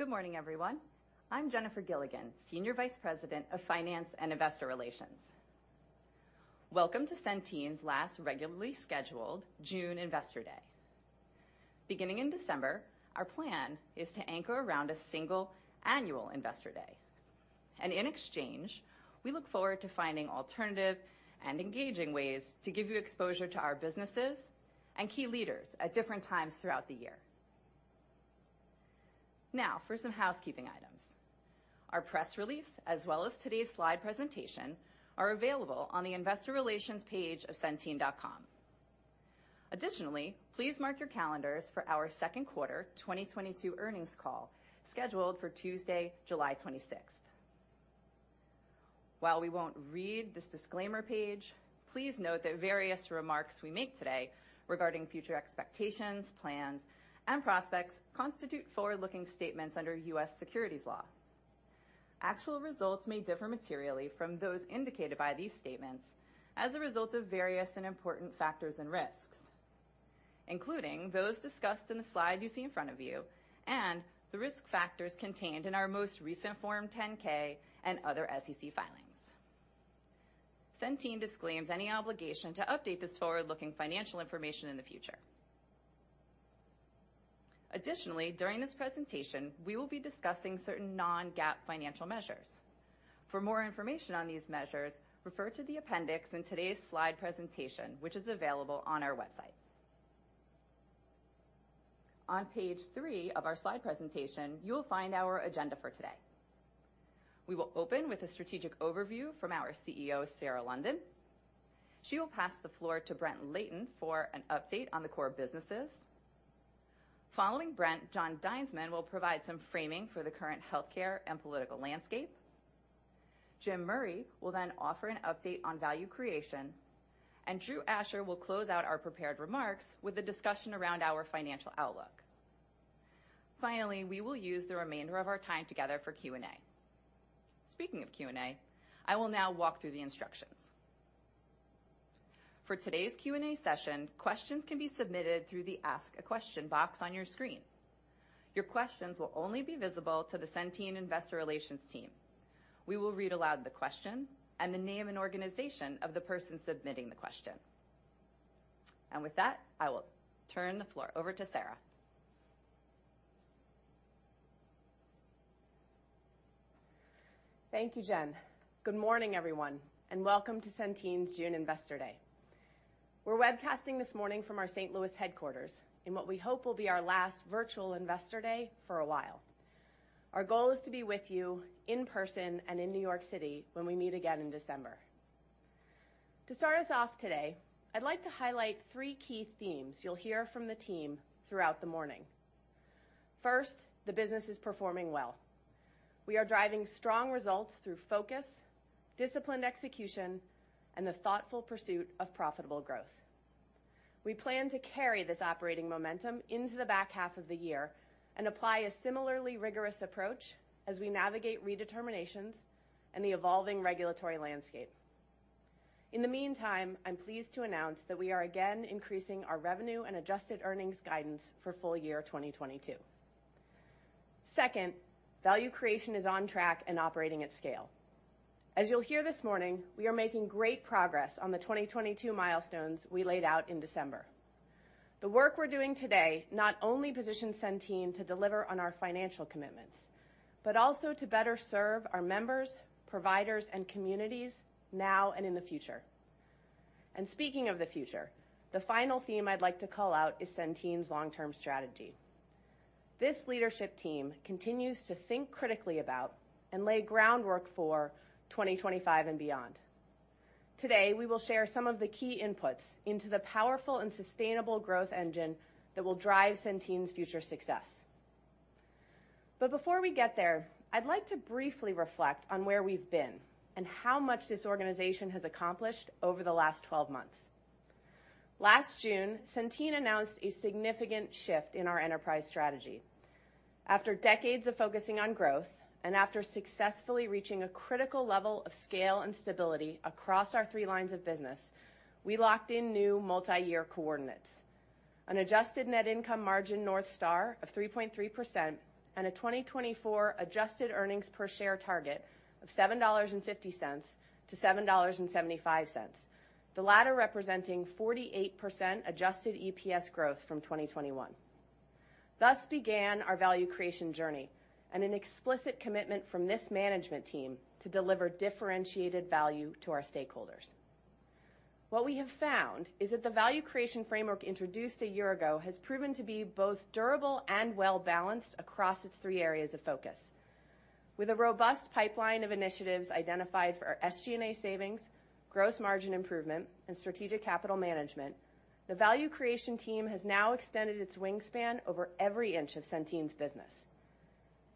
Good morning, everyone. I'm Jennifer Gilligan, Senior Vice President of Finance and Investor Relations. Welcome to Centene's last regularly scheduled June Investor Day. Beginning in December, our plan is to anchor around a single annual Investor Day. In exchange, we look forward to finding alternative and engaging ways to give you exposure to our businesses and key leaders at different times throughout the year. Now, for some housekeeping items. Our press release, as well as today's slide presentation, are available on the investor relations page of centene.com. Additionally, please mark your calendars for our second quarter 2022 earnings call scheduled for Tuesday, July 26th. While we won't read this disclaimer page, please note that various remarks we make today regarding future expectations, plans, and prospects constitute forward-looking statements under U.S. securities law. Actual results may differ materially from those indicated by these statements as a result of various and important factors and risks, including those discussed in the slide you see in front of you and the risk factors contained in our most recent Form 10-K and other SEC filings. Centene disclaims any obligation to update this forward-looking financial information in the future. Additionally, during this presentation, we will be discussing certain non-GAAP financial measures. For more information on these measures, refer to the appendix in today's slide presentation, which is available on our website. On page three of our slide presentation, you will find our agenda for today. We will open with a strategic overview from our CEO, Sarah London. She will pass the floor to Brent Layton for an update on the core businesses. Following Brent, Jon Dinesman will provide some framing for the current healthcare and political landscape. Jim Murray will then offer an update on value creation, and Drew Asher will close out our prepared remarks with a discussion around our financial outlook. Finally, we will use the remainder of our time together for Q&A. Speaking of Q&A, I will now walk through the instructions. For today's Q&A session, questions can be submitted through the Ask a Question box on your screen. Your questions will only be visible to the Centene Investor Relations team. We will read aloud the question and the name and organization of the person submitting the question. With that, I will turn the floor over to Sarah. Thank you, Jen. Good morning, everyone, and welcome to Centene's June Investor Day. We're webcasting this morning from our St. Louis headquarters in what we hope will be our last virtual Investor Day for a while. Our goal is to be with you in person and in New York City when we meet again in December. To start us off today, I'd like to highlight three key themes you'll hear from the team throughout the morning. First, the business is performing well. We are driving strong results through focus, disciplined execution, and the thoughtful pursuit of profitable growth. We plan to carry this operating momentum into the back half of the year and apply a similarly rigorous approach as we navigate redeterminations and the evolving regulatory landscape. In the meantime, I'm pleased to announce that we are again increasing our revenue and adjusted earnings guidance for full year 2022. Second, value creation is on track and operating at scale. As you'll hear this morning, we are making great progress on the 2022 milestones we laid out in December. The work we're doing today not only positions Centene to deliver on our financial commitments, but also to better serve our members, providers, and communities now and in the future. Speaking of the future, the final theme I'd like to call out is Centene's long-term strategy. This leadership team continues to think critically about and lay groundwork for 2025 and beyond. Today, we will share some of the key inputs into the powerful and sustainable growth engine that will drive Centene's future success. Before we get there, I'd like to briefly reflect on where we've been and how much this organization has accomplished over the last 12 months. Last June, Centene announced a significant shift in our enterprise strategy. After decades of focusing on growth, and after successfully reaching a critical level of scale and stability across our three lines of business, we locked in new multi-year coordinates. An adjusted net income margin North Star of 3.3% and a 2024 adjusted earnings per share target of $7.50-$7.75, the latter representing 48% adjusted EPS growth from 2021. Thus began our value creation journey and an explicit commitment from this management team to deliver differentiated value to our stakeholders. What we have found is that the value creation framework introduced a year ago has proven to be both durable and well-balanced across its three areas of focus. With a robust pipeline of initiatives identified for SG&A savings, gross margin improvement, and strategic capital management, the value creation team has now extended its wingspan over every inch of Centene's business.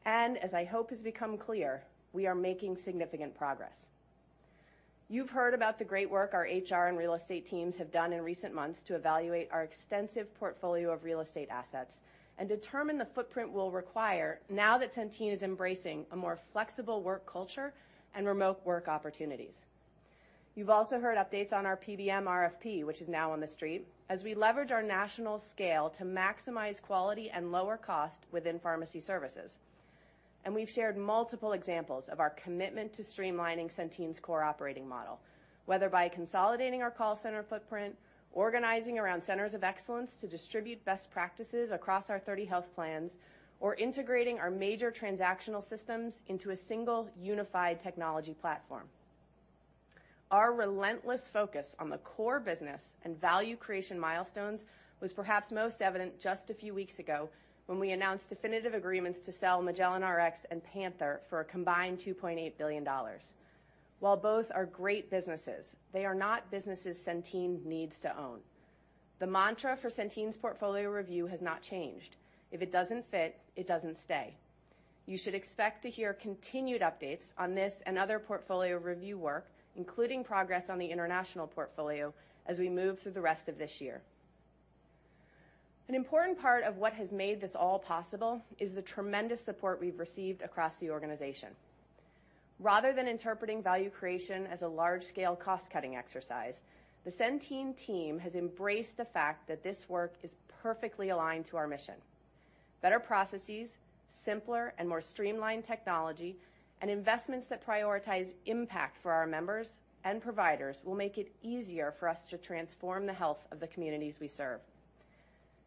As I hope has become clear, we are making significant progress. You've heard about the great work our HR and real estate teams have done in recent months to evaluate our extensive portfolio of real estate assets and determine the footprint we'll require now that Centene is embracing a more flexible work culture and remote work opportunities. You've also heard updates on our PBM RFP, which is now on the Script, as we leverage our national scale to maximize quality and lower cost within pharmacy services. We've shared multiple examples of our commitment to streamlining Centene's core operating model, whether by consolidating our call center footprint, organizing around centers of excellence to distribute best practices across our 30 health plans, or integrating our major transactional systems into a single unified technology platform. Our relentless focus on the core business and value creation milestones was perhaps most evident just a few weeks ago when we announced definitive agreements to sell Magellan Rx and PANTHERx Rare for a combined $2.8 billion. While both are great businesses, they are not businesses Centene needs to own. The mantra for Centene's portfolio review has not changed. If it doesn't fit, it doesn't stay. You should expect to hear continued updates on this and other portfolio review work, including progress on the international portfolio as we move through the rest of this year. An important part of what has made this all possible is the tremendous support we've received across the organization. Rather than interpreting value creation as a large-scale cost-cutting exercise, the Centene team has embraced the fact that this work is perfectly aligned to our mission. Better processes, simpler and more streamlined technology, and investments that prioritize impact for our members and providers will make it easier for us to transform the health of the communities we serve.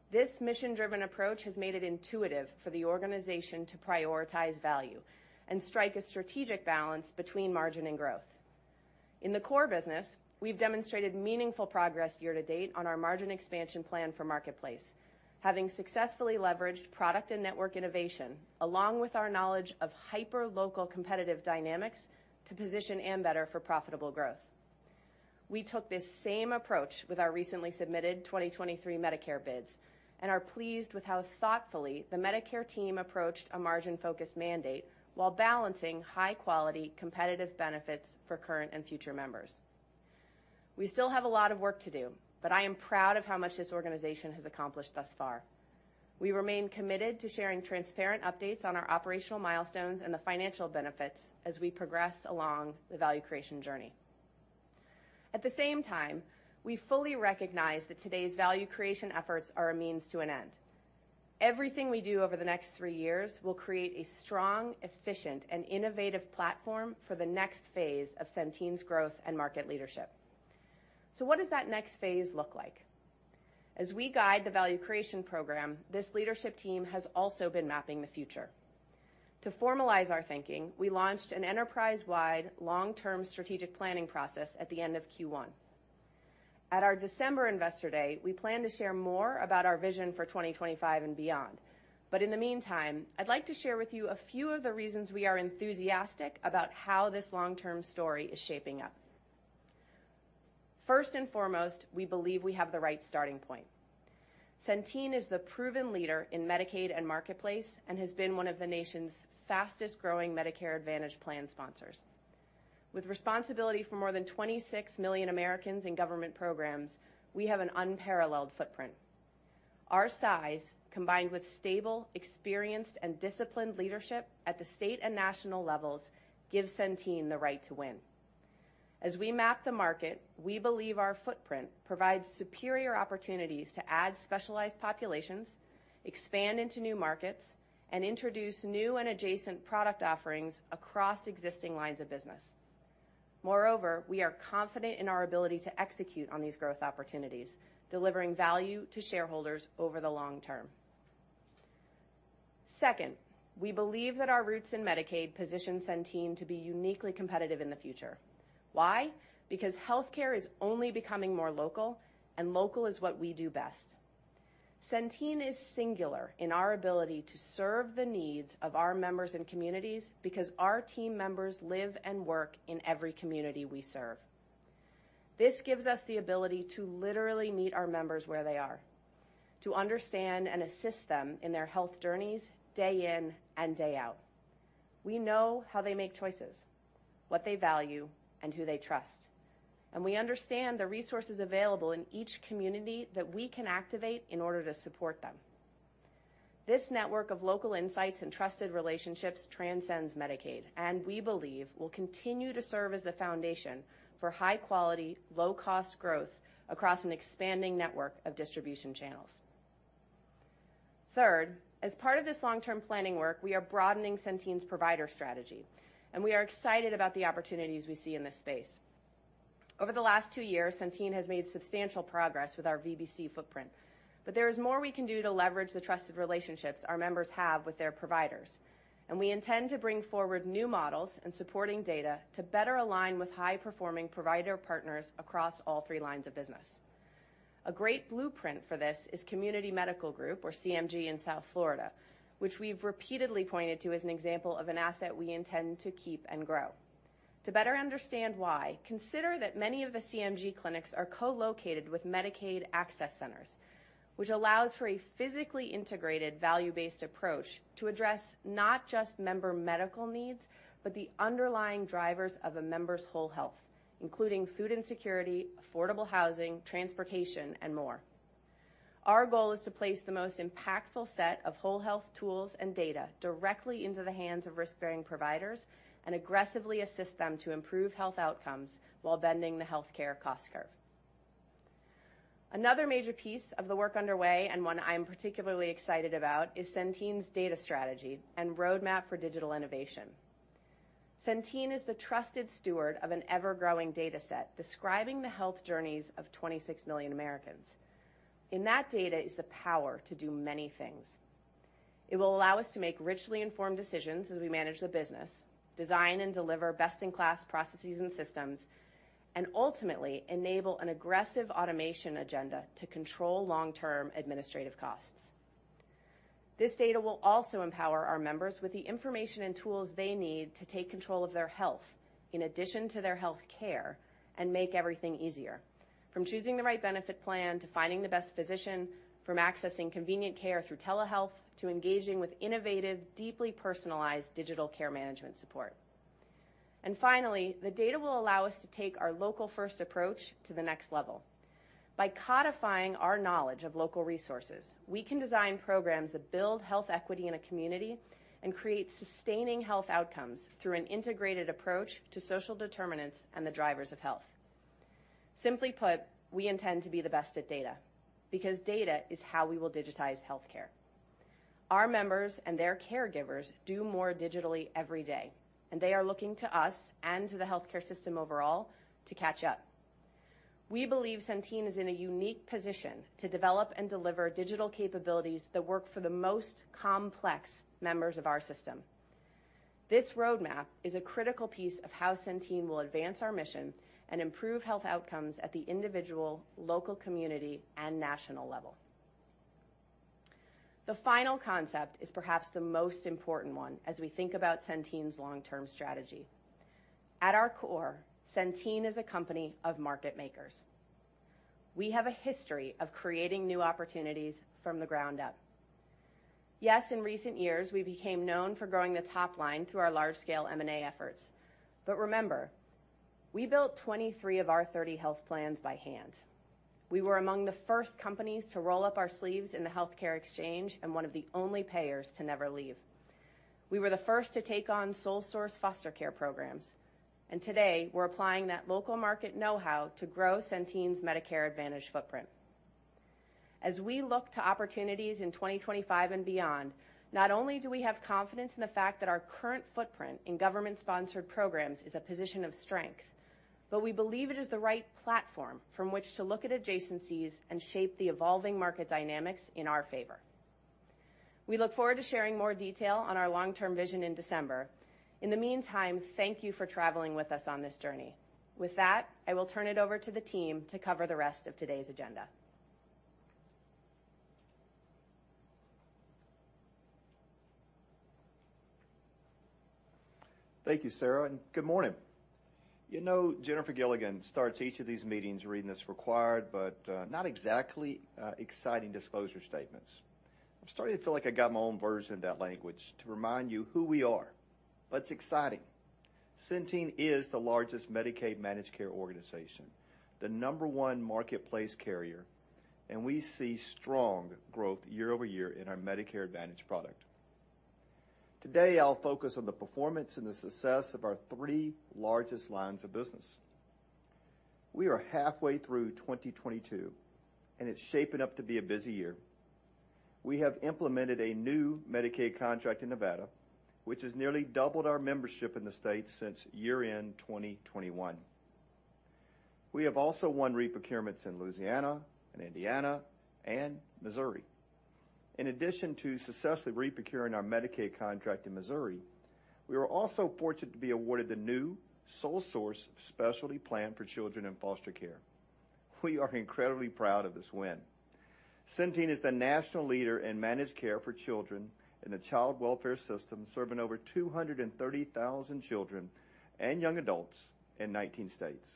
This mission-driven approach has made it intuitive for the organization to prioritize value and strike a strategic balance between margin and growth. In the core business, we've demonstrated meaningful progress year-to-date on our margin expansion plan for Marketplace, having successfully leveraged product and network innovation along with our knowledge of hyperlocal competitive dynamics to position Ambetter for profitable growth. We took this same approach with our recently submitted 2023 Medicare bids and are pleased with how thoughtfully the Medicare team approached a margin-focused mandate while balancing high-quality competitive benefits for current and future members. We still have a lot of work to do, but I am proud of how much this organization has accomplished thus far. We remain committed to sharing transparent updates on our operational milestones and the financial benefits as we progress along the value creation journey. At the same time, we fully recognize that today's value creation efforts are a means to an end. Everything we do over the next three years will create a strong, efficient, and innovative platform for the next phase of Centene's growth and market leadership. What does that next phase look like? As we guide the value creation program, this leadership team has also been mapping the future. To formalize our thinking, we launched an enterprise-wide long-term strategic planning process at the end of Q1. At our December Investor Day, we plan to share more about our vision for 2025 and beyond. In the meantime, I'd like to share with you a few of the reasons we are enthusiastic about how this long-term story is shaping up. First and foremost, we believe we have the right starting point. Centene is the proven leader in Medicaid and Marketplace and has been one of the nation's fastest-growing Medicare Advantage plan sponsors. With responsibility for more than 26 million Americans in government programs, we have an unparalleled footprint. Our size, combined with stable, experienced, and disciplined leadership at the state and national levels, gives Centene the right to win. As we map the market, we believe our footprint provides superior opportunities to add specialized populations, expand into new markets, and introduce new and adjacent product offerings across existing lines of business. Moreover, we are confident in our ability to execute on these growth opportunities, delivering value to shareholders over the long term. Second, we believe that our roots in Medicaid position Centene to be uniquely competitive in the future. Why? Because healthcare is only becoming more local, and local is what we do best. Centene is singular in our ability to serve the needs of our members and communities because our team members live and work in every community we serve. This gives us the ability to literally meet our members where they are, to understand and assist them in their health journeys day in and day out. We know how they make choices, what they value, and who they trust. We understand the resources available in each community that we can activate in order to support them. This network of local insights and trusted relationships transcends Medicaid, and we believe will continue to serve as the foundation for high-quality, low-cost growth across an expanding network of distribution channels. Third, as part of this long-term planning work, we are broadening Centene's provider strategy, and we are excited about the opportunities we see in this space. Over the last two years, Centene has made substantial progress with our VBC footprint, but there is more we can do to leverage the trusted relationships our members have with their providers. We intend to bring forward new models and supporting data to better align with high-performing provider partners across all three lines of business. A great blueprint for this is Community Medical Group, or CMG, in South Florida, which we've repeatedly pointed to as an example of an asset we intend to keep and grow. To better understand why, consider that many of the CMG clinics are co-located with Medicaid access centers, which allows for a physically integrated value-based approach to address not just member medical needs, but the underlying drivers of a member's whole health, including food insecurity, affordable housing, transportation, and more. Our goal is to place the most impactful set of whole health tools and data directly into the hands of risk-bearing providers and aggressively assist them to improve health outcomes while bending the healthcare cost curve. Another major piece of the work underway, and one I'm particularly excited about, is Centene's data strategy and roadmap for digital innovation. Centene is the trusted steward of an ever-growing data set describing the health journeys of 26 million Americans. In that data is the power to do many things. It will allow us to make richly informed decisions as we manage the business, design and deliver best-in-class processes and systems, and ultimately enable an aggressive automation agenda to control long-term administrative costs. This data will also empower our members with the information and tools they need to take control of their health in addition to their healthcare and make everything easier, from choosing the right benefit plan to finding the best physician, from accessing convenient care through telehealth to engaging with innovative, deeply personalized digital care management support. Finally, the data will allow us to take our local-first approach to the next level. By codifying our knowledge of local resources, we can design programs that build health equity in a community and create sustaining health outcomes through an integrated approach to social determinants and the drivers of health. Simply put, we intend to be the best at data because data is how we will digitize healthcare. Our members and their caregivers do more digitally every day, and they are looking to us and to the healthcare system overall to catch up. We believe Centene is in a unique position to develop and deliver digital capabilities that work for the most complex members of our system. This roadmap is a critical piece of how Centene will advance our mission and improve health outcomes at the individual, local community, and national level. The final concept is perhaps the most important one as we think about Centene's long-term strategy. At our core, Centene is a company of market makers. We have a history of creating new opportunities from the ground up. Yes, in recent years, we became known for growing the top line through our large-scale M&A efforts. Remember, we built 23 of our 30 health plans by hand. We were among the first companies to roll up our sleeves in the healthcare exchange and one of the only payers to never leave. We were the first to take on sole source foster care programs, and today we're applying that local market know-how to grow Centene's Medicare Advantage footprint. As we look to opportunities in 2025 and beyond, not only do we have confidence in the fact that our current footprint in government-sponsored programs is a position of strength, but we believe it is the right platform from which to look at adjacencies and shape the evolving market dynamics in our favor. We look forward to sharing more detail on our long-term vision in December. In the meantime, thank you for traveling with us on this journey. With that, I will turn it over to the team to cover the rest of today's agenda. Thank you, Sarah, and good morning. You know, Jennifer Gilligan starts each of these meetings reading this required but not exactly exciting disclosure statements. I'm starting to feel like I got my own version of that language to remind you who we are. What's exciting. Centene is the largest Medicaid managed care organization, the number one marketplace carrier, and we see strong growth year-over-year in our Medicare Advantage product. Today, I'll focus on the performance and the success of our three largest lines of business. We are halfway through 2022, and it's shaping up to be a busy year. We have implemented a new Medicaid contract in Nevada, which has nearly doubled our membership in the state since year-end 2021. We have also won re-procurements in Louisiana and Indiana and Missouri. In addition to successfully reprocuring our Medicaid contract in Missouri, we were also fortunate to be awarded the new sole source specialty plan for children in foster care. We are incredibly proud of this win. Centene is the national leader in managed care for children in the child welfare system, serving over 230,000 children and young adults in 19 states.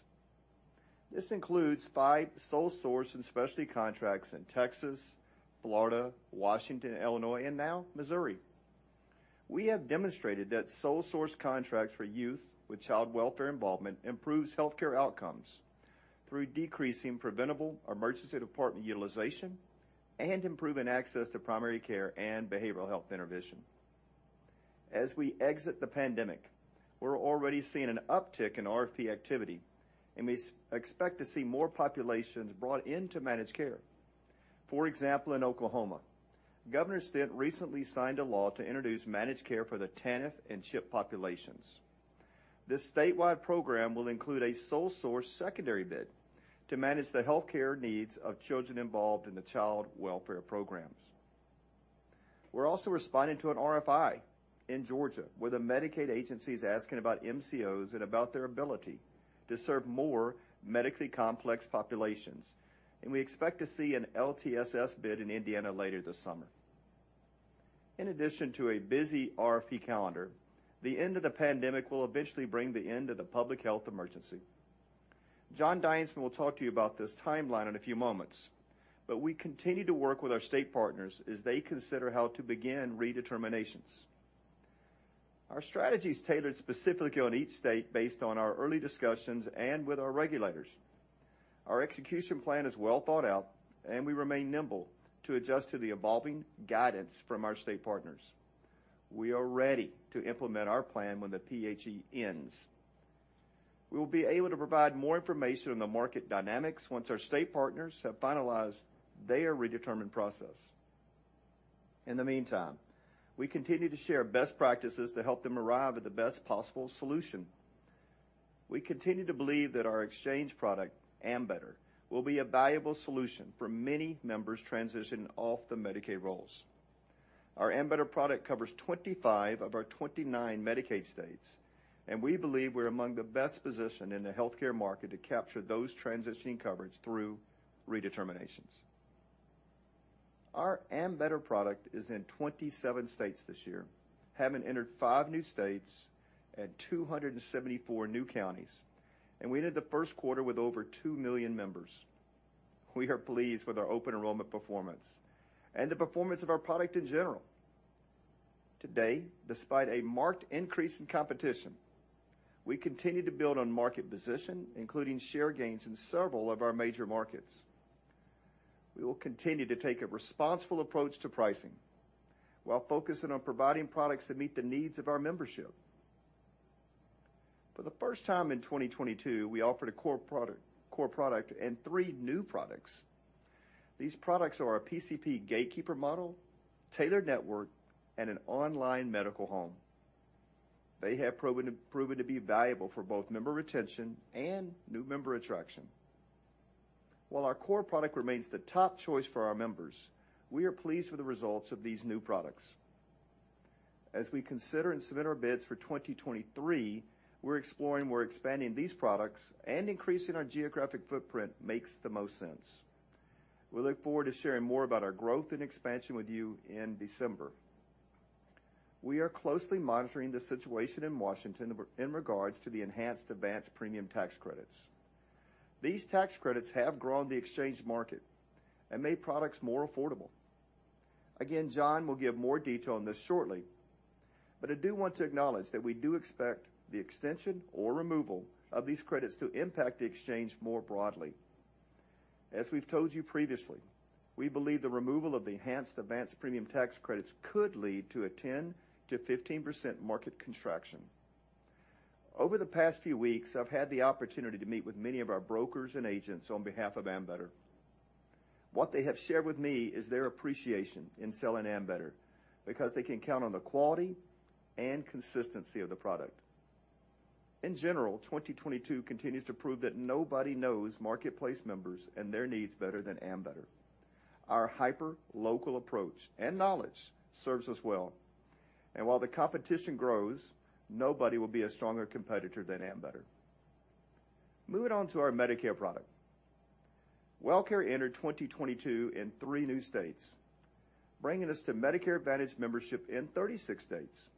This includes 5 sole source and specialty contracts in Texas, Florida, Washington, Illinois, and now Missouri. We have demonstrated that sole source contracts for youth with child welfare involvement improves healthcare outcomes through decreasing preventable emergency department utilization and improving access to primary care and behavioral health intervention. As we exit the pandemic, we're already seeing an uptick in RFP activity, and we expect to see more populations brought into managed care. For example, in Oklahoma, Governor Stitt recently signed a law to introduce managed care for the TANF and CHIP populations. This statewide program will include a sole source secondary bid to manage the healthcare needs of children involved in the child welfare programs. We're also responding to an RFI in Georgia, where the Medicaid agency is asking about MCOs and about their ability to serve more medically complex populations, and we expect to see an LTSS bid in Indiana later this summer. In addition to a busy RFP calendar, the end of the pandemic will eventually bring the end of the public health emergency. Jon Dinesman will talk to you about this timeline in a few moments, but we continue to work with our state partners as they consider how to begin redeterminations. Our strategy is tailored specifically on each state based on our early discussions and with our regulators. Our execution plan is well thought out, and we remain nimble to adjust to the evolving guidance from our state partners. We are ready to implement our plan when the PHE ends. We will be able to provide more information on the market dynamics once our state partners have finalized their redetermination process. In the meantime, we continue to share best practices to help them arrive at the best possible solution. We continue to believe that our exchange product, Ambetter, will be a valuable solution for many members transitioning off the Medicaid rolls. Our Ambetter product covers 25 of our 29 Medicaid states, and we believe we're among the best positioned in the healthcare market to capture those transitioning coverage through redeterminations. Our Ambetter product is in 27 states this year, having entered five new states and 274 new counties, and we ended the first quarter with over 2 million members. We are pleased with our open enrollment performance and the performance of our product in general. Today, despite a marked increase in competition, we continue to build on market position, including share gains in several of our major markets. We will continue to take a responsible approach to pricing while focusing on providing products that meet the needs of our membership. For the first time in 2022, we offered a core product and three new products. These products are a PCP gatekeeper model, tailored network, and an online medical home. They have proven to be valuable for both member retention and new member attraction. While our core product remains the top choice for our members, we are pleased with the results of these new products. As we consider and submit our bids for 2023, we're exploring where expanding these products and increasing our geographic footprint makes the most sense. We look forward to sharing more about our growth and expansion with you in December. We are closely monitoring the situation in Washington in regards to the enhanced advance premium tax credits. These tax credits have grown the exchange market and made products more affordable. Again, Jon will give more detail on this shortly, but I do want to acknowledge that we do expect the extension or removal of these credits to impact the exchange more broadly. As we've told you previously, we believe the removal of the enhanced advance premium tax credits could lead to a 10%-15% market contraction. Over the past few weeks, I've had the opportunity to meet with many of our brokers and agents on behalf of Ambetter. What they have shared with me is their appreciation in selling Ambetter because they can count on the quality and consistency of the product. In general, 2022 continues to prove that nobody knows marketplace members and their needs better than Ambetter. Our hyperlocal approach and knowledge serves us well. While the competition grows, nobody will be a stronger competitor than Ambetter. Moving on to our Medicare product. WellCare entered 2022 in three new states, bringing us to Medicare Advantage membership in 36 states.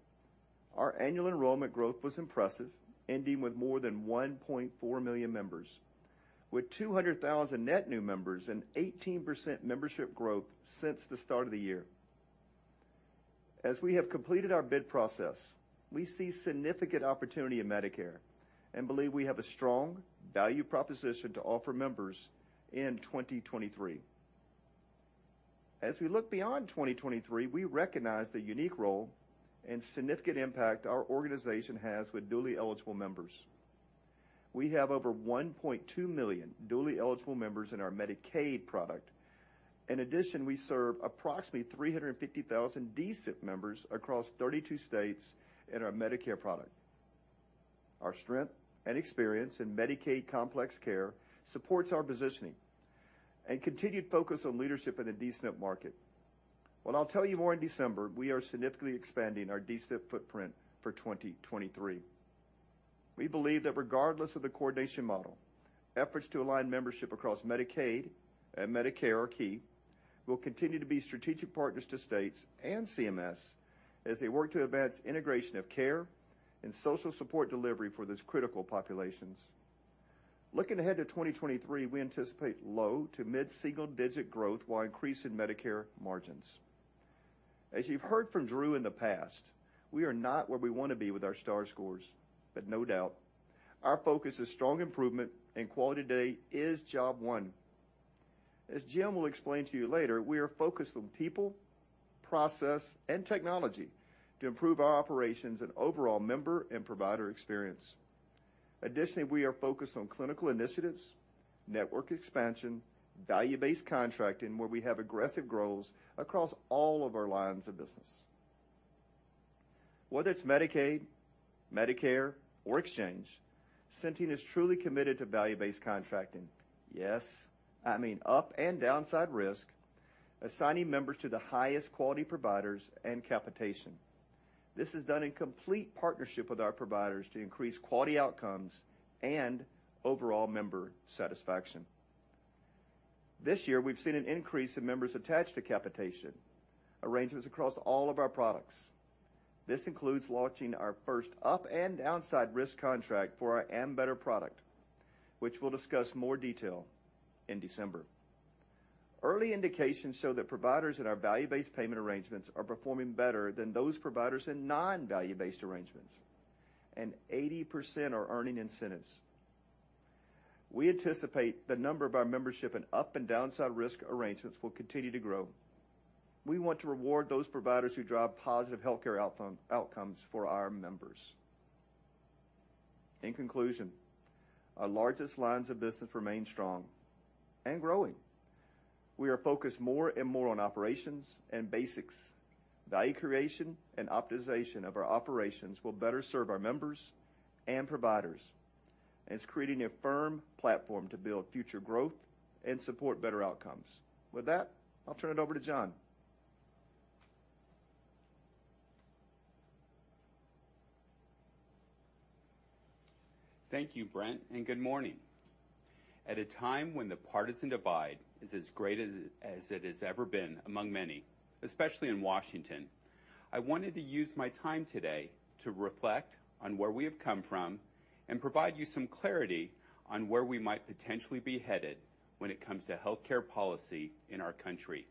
Our annual enrollment growth was impressive, ending with more than 1.4 million members, with 200,000 net new members and 18% membership growth since the start of the year. As we have completed our bid process, we see significant opportunity in Medicare and believe we have a strong value proposition to offer members in 2023. As we look beyond 2023, we recognize the unique role and significant impact our organization has with dually eligible members. We have over 1.2 million dually eligible members in our Medicaid product. In addition, we serve approximately 350,000 D-SNP members across 32 states in our Medicare product. Our strength and experience in Medicaid complex care supports our positioning and continued focus on leadership in the D-SNP market. While I'll tell you more in December, we are significantly expanding our D-SNP footprint for 2023. We believe that regardless of the coordination model, efforts to align membership across Medicaid and Medicare are key. We will continue to be strategic partners to states and CMS as they work to advance integration of care and social support delivery for those critical populations. Looking ahead to 2023, we anticipate low to mid-single digit growth while increasing Medicare margins. As you've heard from Drew in the past, we are not where we want to be with our star scores, but no doubt our focus is strong improvement and quality today is job one. As Jim will explain to you later, we are focused on people, process, and technology to improve our operations and overall member and provider experience. Additionally, we are focused on clinical initiatives, network expansion, value-based contracting, where we have aggressive goals across all of our lines of business. Whether it's Medicaid, Medicare, or exchange, Centene is truly committed to value-based contracting. Yes, I mean up and downside risk, assigning members to the highest quality providers and capitation. This is done in complete partnership with our providers to increase quality outcomes and overall member satisfaction. This year, we've seen an increase in members attached to capitation arrangements across all of our products. This includes launching our first up and downside risk contract for our Ambetter product, which we'll discuss more detail in December. Early indications show that providers in our value-based payment arrangements are performing better than those providers in non-value-based arrangements, and 80% are earning incentives. We anticipate the number of our membership in up and downside risk arrangements will continue to grow. We want to reward those providers who drive positive healthcare outcomes for our members. In conclusion, our largest lines of business remain strong and growing. We are focused more and more on operations and basics. Value creation and optimization of our operations will better serve our members and providers, and it's creating a firm platform to build future growth and support better outcomes. With that, I'll turn it over to Jon. Thank you, Brent, and good morning. At a time when the partisan divide is as great as it has ever been among many, especially in Washington, I wanted to use my time today to reflect on where we have come from and provide you some clarity on where we might potentially be headed when it comes to healthcare policy in our country.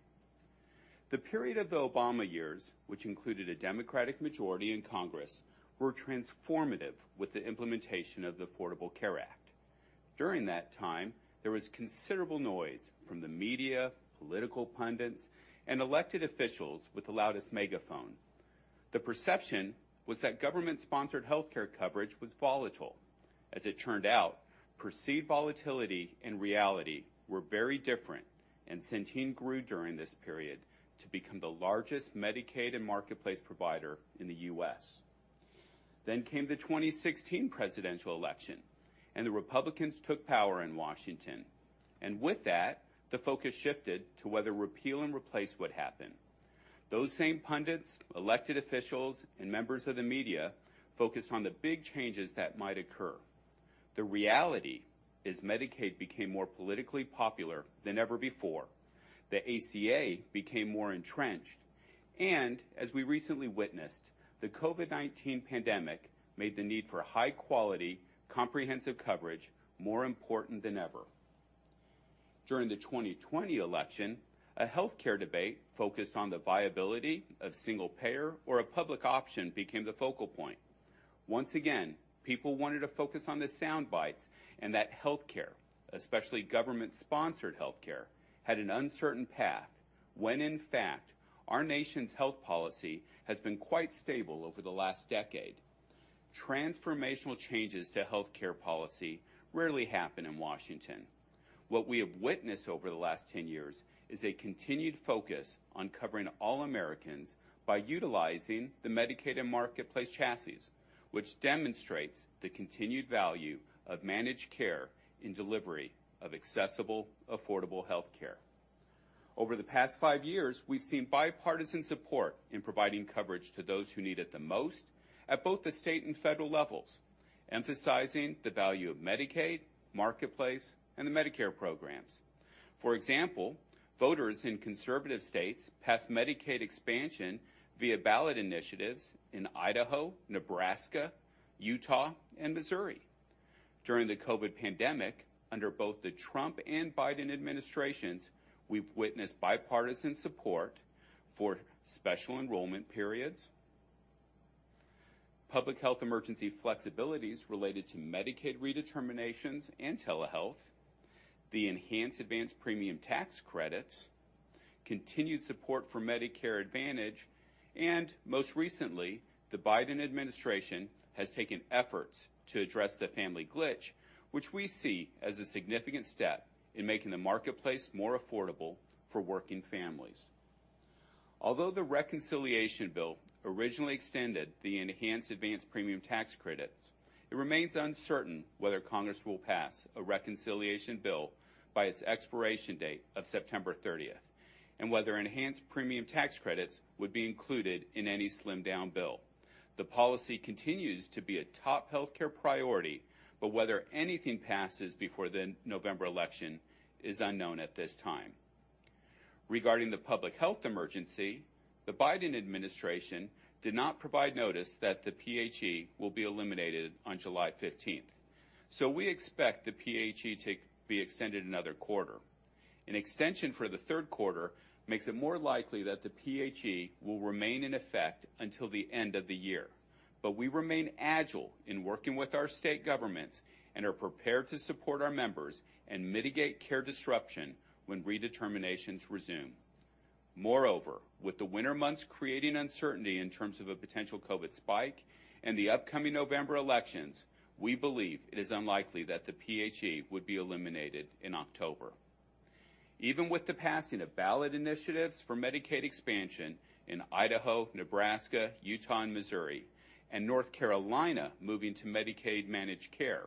The period of the Obama years, which included a Democratic majority in Congress, were transformative with the implementation of the Affordable Care Act. During that time, there was considerable noise from the media, political pundits, and elected officials with the loudest megaphone. The perception was that government-sponsored healthcare coverage was volatile. As it turned out, perceived volatility and reality were very different, and Centene grew during this period to become the largest Medicaid and Marketplace provider in the U.S. Came the 2016 presidential election, and the Republicans took power in Washington. With that, the focus shifted to whether repeal and replace would happen. Those same pundits, elected officials, and members of the media focused on the big changes that might occur. The reality is Medicaid became more politically popular than ever before. The ACA became more entrenched. As we recently witnessed, the COVID-19 pandemic made the need for high-quality, comprehensive coverage more important than ever. During the 2020 election, a healthcare debate focused on the viability of single-payer or a public option became the focal point. Once again, people wanted to focus on the sound bites and that healthcare, especially government-sponsored healthcare, had an uncertain path, when in fact our nation's health policy has been quite stable over the last decade. Transformational changes to healthcare policy rarely happen in Washington. What we have witnessed over the last 10 years is a continued focus on covering all Americans by utilizing the Medicaid and Marketplace chassis, which demonstrates the continued value of managed care in delivery of accessible, affordable healthcare. Over the past five years, we've seen bipartisan support in providing coverage to those who need it the most at both the state and federal levels, emphasizing the value of Medicaid, Marketplace, and the Medicare programs. For example, voters in conservative states passed Medicaid expansion via ballot initiatives in Idaho, Nebraska, Utah, and Missouri. During the COVID pandemic, under both the Trump and Biden administrations, we've witnessed bipartisan support for special enrollment periods, public health emergency flexibilities related to Medicaid redeterminations and telehealth, the enhanced advance premium tax credits, continued support for Medicare Advantage, and most recently, the Biden administration has taken efforts to address the family glitch, which we see as a significant step in making the marketplace more affordable for working families. Although the reconciliation bill originally extended the enhanced advance premium tax credits, it remains uncertain whether Congress will pass a reconciliation bill by its expiration date of September thirtieth and whether enhanced premium tax credits would be included in any slimmed-down bill. The policy continues to be a top healthcare priority, but whether anything passes before the November election is unknown at this time. Regarding the public health emergency, the Biden administration did not provide notice that the PHE will be eliminated on July 15. We expect the PHE to be extended another quarter. An extension for the third quarter makes it more likely that the PHE will remain in effect until the end of the year. We remain agile in working with our state governments and are prepared to support our members and mitigate care disruption when redeterminations resume. Moreover, with the winter months creating uncertainty in terms of a potential COVID spike and the upcoming November elections, we believe it is unlikely that the PHE would be eliminated in October. Even with the passing of ballot initiatives for Medicaid expansion in Idaho, Nebraska, Utah, and Missouri, and North Carolina moving to Medicaid managed care,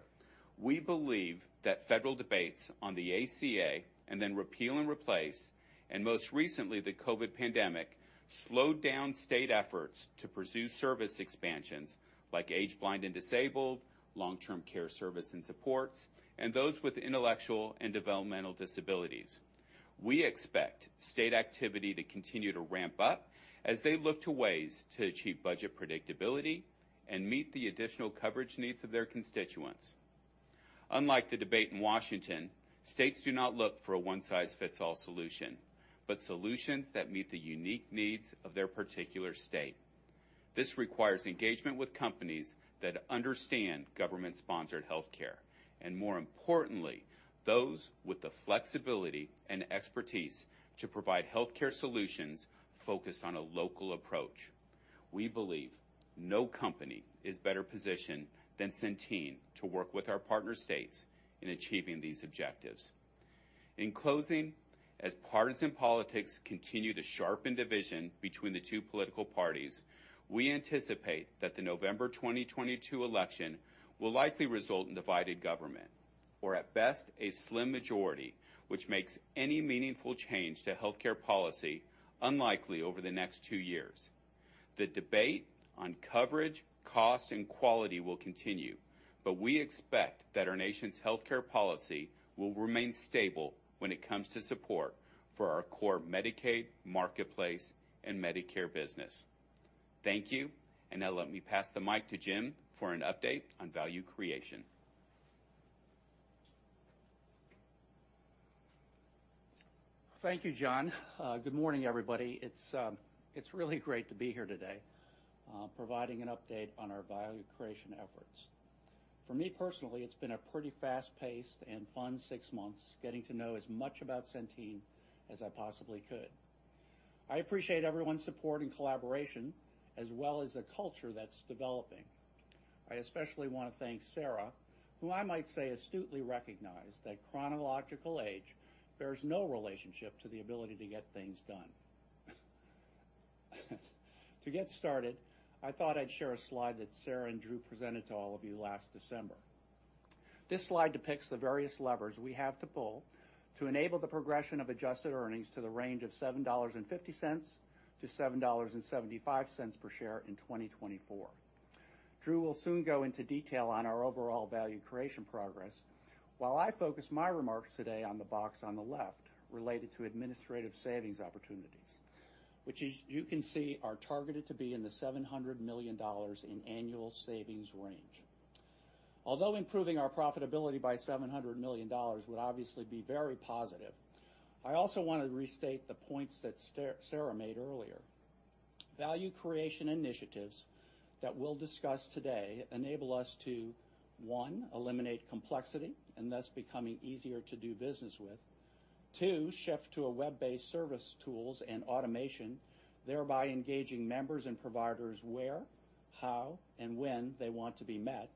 we believe that federal debates on the ACA and then repeal and replace, and most recently, the COVID pandemic slowed down state efforts to pursue service expansions like aged, blind, and disabled, long-term services and supports, and those with intellectual and developmental disabilities. We expect state activity to continue to ramp up as they look to ways to achieve budget predictability and meet the additional coverage needs of their constituents. Unlike the debate in Washington, states do not look for a one-size-fits-all solution, but solutions that meet the unique needs of their particular state. This requires engagement with companies that understand government-sponsored healthcare, and more importantly, those with the flexibility and expertise to provide healthcare solutions focused on a local approach. We believe no company is better positioned than Centene to work with our partner states in achieving these objectives. In closing, as partisan politics continue to sharpen division between the two political parties, we anticipate that the November 2022 election will likely result in divided government or at best, a slim majority, which makes any meaningful change to healthcare policy unlikely over the next two years. The debate on coverage, cost, and quality will continue, but we expect that our nation's healthcare policy will remain stable when it comes to support for our core Medicaid, Marketplace, and Medicare business. Thank you, and now let me pass the mic to Jim for an update on value creation. Thank you, Jon. Good morning, everybody. It's really great to be here today, providing an update on our value creation efforts. For me, personally, it's been a pretty fast-paced and fun six months getting to know as much about Centene as I possibly could. I appreciate everyone's support and collaboration, as well as the culture that's developing. I especially wanna thank Sarah, who I might say astutely recognized that chronological age bears no relationship to the ability to get things done. To get started, I thought I'd share a slide that Sarah and Drew presented to all of you last December. This slide depicts the various levers we have to pull to enable the progression of adjusted earnings to the range of $7.50-$7.75 per share in 2024. Drew will soon go into detail on our overall value creation progress, while I focus my remarks today on the box on the left related to administrative savings opportunities, which as you can see, are targeted to be in the $700 million in annual savings range. Although improving our profitability by $700 million would obviously be very positive, I also wanna restate the points that Sarah made earlier. Value creation initiatives that we'll discuss today enable us to, one, eliminate complexity and thus becoming easier to do business with. Two, shift to a web-based service tools and automation, thereby engaging members and providers where, how, and when they want to be met.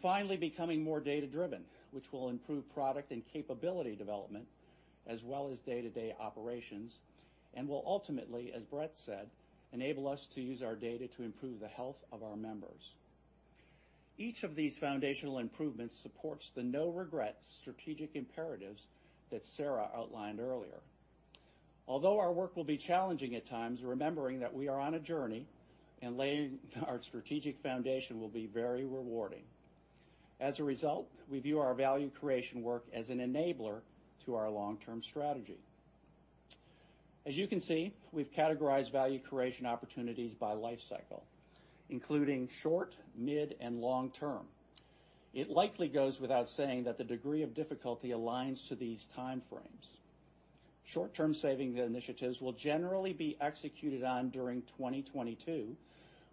Finally, becoming more data-driven, which will improve product and capability development as well as day-to-day operations, and will ultimately, as Brent said, enable us to use our data to improve the health of our members. Each of these foundational improvements supports the no-regrets strategic imperatives that Sarah outlined earlier. Although our work will be challenging at times, remembering that we are on a journey and laying our strategic foundation will be very rewarding. As a result, we view our value creation work as an enabler to our long-term strategy. As you can see, we've categorized value creation opportunities by lifecycle, including short, mid, and long-term. It likely goes without saying that the degree of difficulty aligns to these time frames. Short-term saving initiatives will generally be executed on during 2022,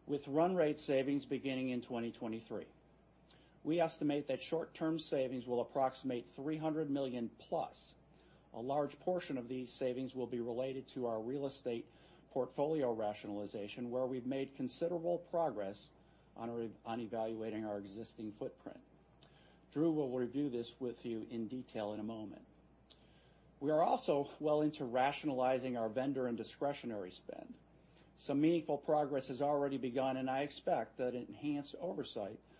with run rate savings beginning in 2023. We estimate that short-term savings will approximate $300 million+. A large portion of these savings will be related to our real estate portfolio rationalization, where we've made considerable progress on evaluating our existing footprint. Drew will review this with you in detail in a moment. We are also well into rationalizing our vendor and discretionary spend. Some meaningful progress has already begun, and I expect that enhanced oversight will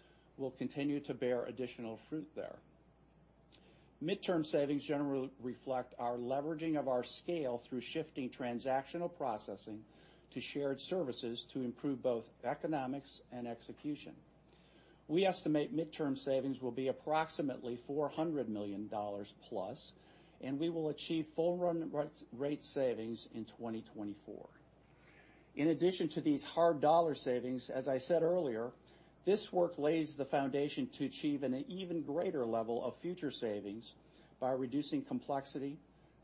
continue to bear additional fruit there. Mid-term savings generally reflect our leveraging of our scale through shifting transactional processing to shared services to improve both economics and execution. We estimate mid-term savings will be approximately $400 million+, and we will achieve full run-rate savings in 2024. In addition to these hard dollar savings, as I said earlier, this work lays the foundation to achieve an even greater level of future savings by reducing complexity,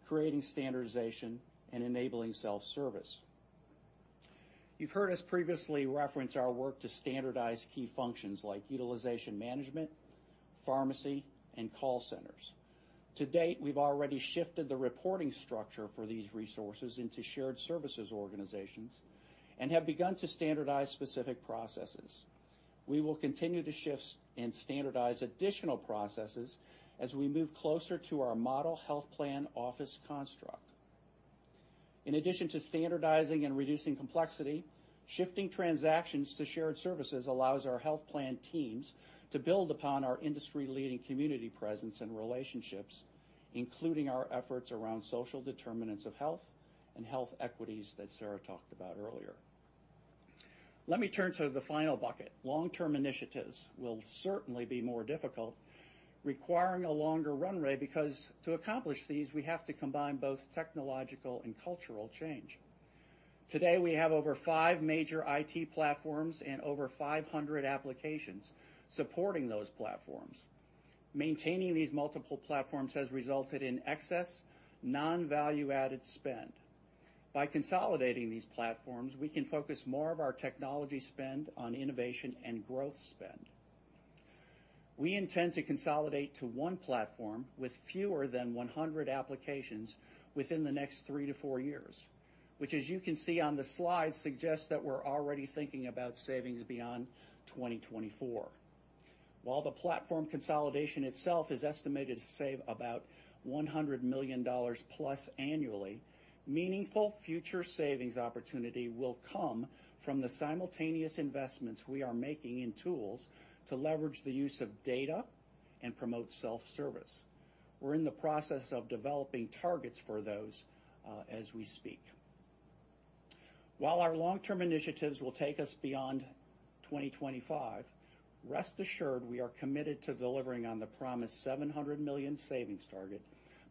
creating standardization, and enabling self-service. You've heard us previously reference our work to standardize key functions like utilization management, pharmacy, and call centers. To date, we've already shifted the reporting structure for these resources into shared services organizations and have begun to standardize specific processes. We will continue to shift and standardize additional processes as we move closer to our model health plan office construct. In addition to standardizing and reducing complexity, shifting transactions to shared services allows our health plan teams to build upon our industry-leading community presence and relationships, including our efforts around social determinants of health and health equity that Sarah talked about earlier. Let me turn to the final bucket. Long-term initiatives will certainly be more difficult, requiring a longer run rate because to accomplish these, we have to combine both technological and cultural change. Today, we have over five major IT platforms and over 500 applications supporting those platforms. Maintaining these multiple platforms has resulted in excess non-value-added spend. By consolidating these platforms, we can focus more of our technology spend on innovation and growth spend. We intend to consolidate to one platform with fewer than 100 applications within the next three to four years, which as you can see on the slide, suggests that we're already thinking about savings beyond 2024. While the platform consolidation itself is estimated to save about $100 million plus annually, meaningful future savings opportunity will come from the simultaneous investments we are making in tools to leverage the use of data and promote self-service. We're in the process of developing targets for those, as we speak. While our long-term initiatives will take us beyond 2025, rest assured we are committed to delivering on the promised $700 million savings target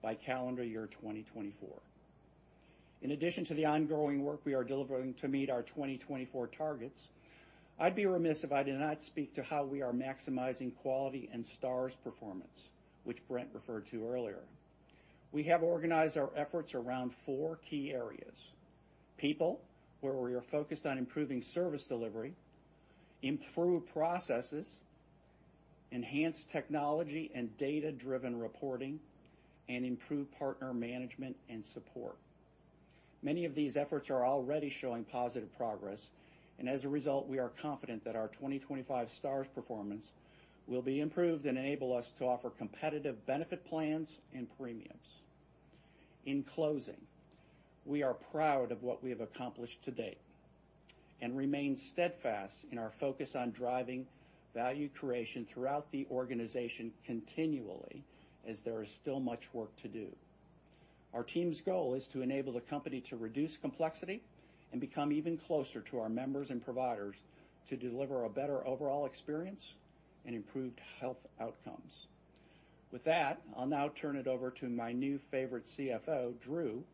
by calendar year 2024. In addition to the ongoing work we are delivering to meet our 2024 targets, I'd be remiss if I did not speak to how we are maximizing quality and Stars performance, which Brent referred to earlier. We have organized our efforts around four key areas. People, where we are focused on improving service delivery, improved processes, enhanced technology, and data-driven reporting, and improved partner management and support. Many of these efforts are already showing positive progress, and as a result, we are confident that our 2025 Stars performance will be improved and enable us to offer competitive benefit plans and premiums. In closing, we are proud of what we have accomplished to date and remain steadfast in our focus on driving value creation throughout the organization continually as there is still much work to do. Our team's goal is to enable the company to reduce complexity and become even closer to our members and providers to deliver a better overall experience and improved health outcomes. With that, I'll now turn it over to my new favorite CFO, Drew,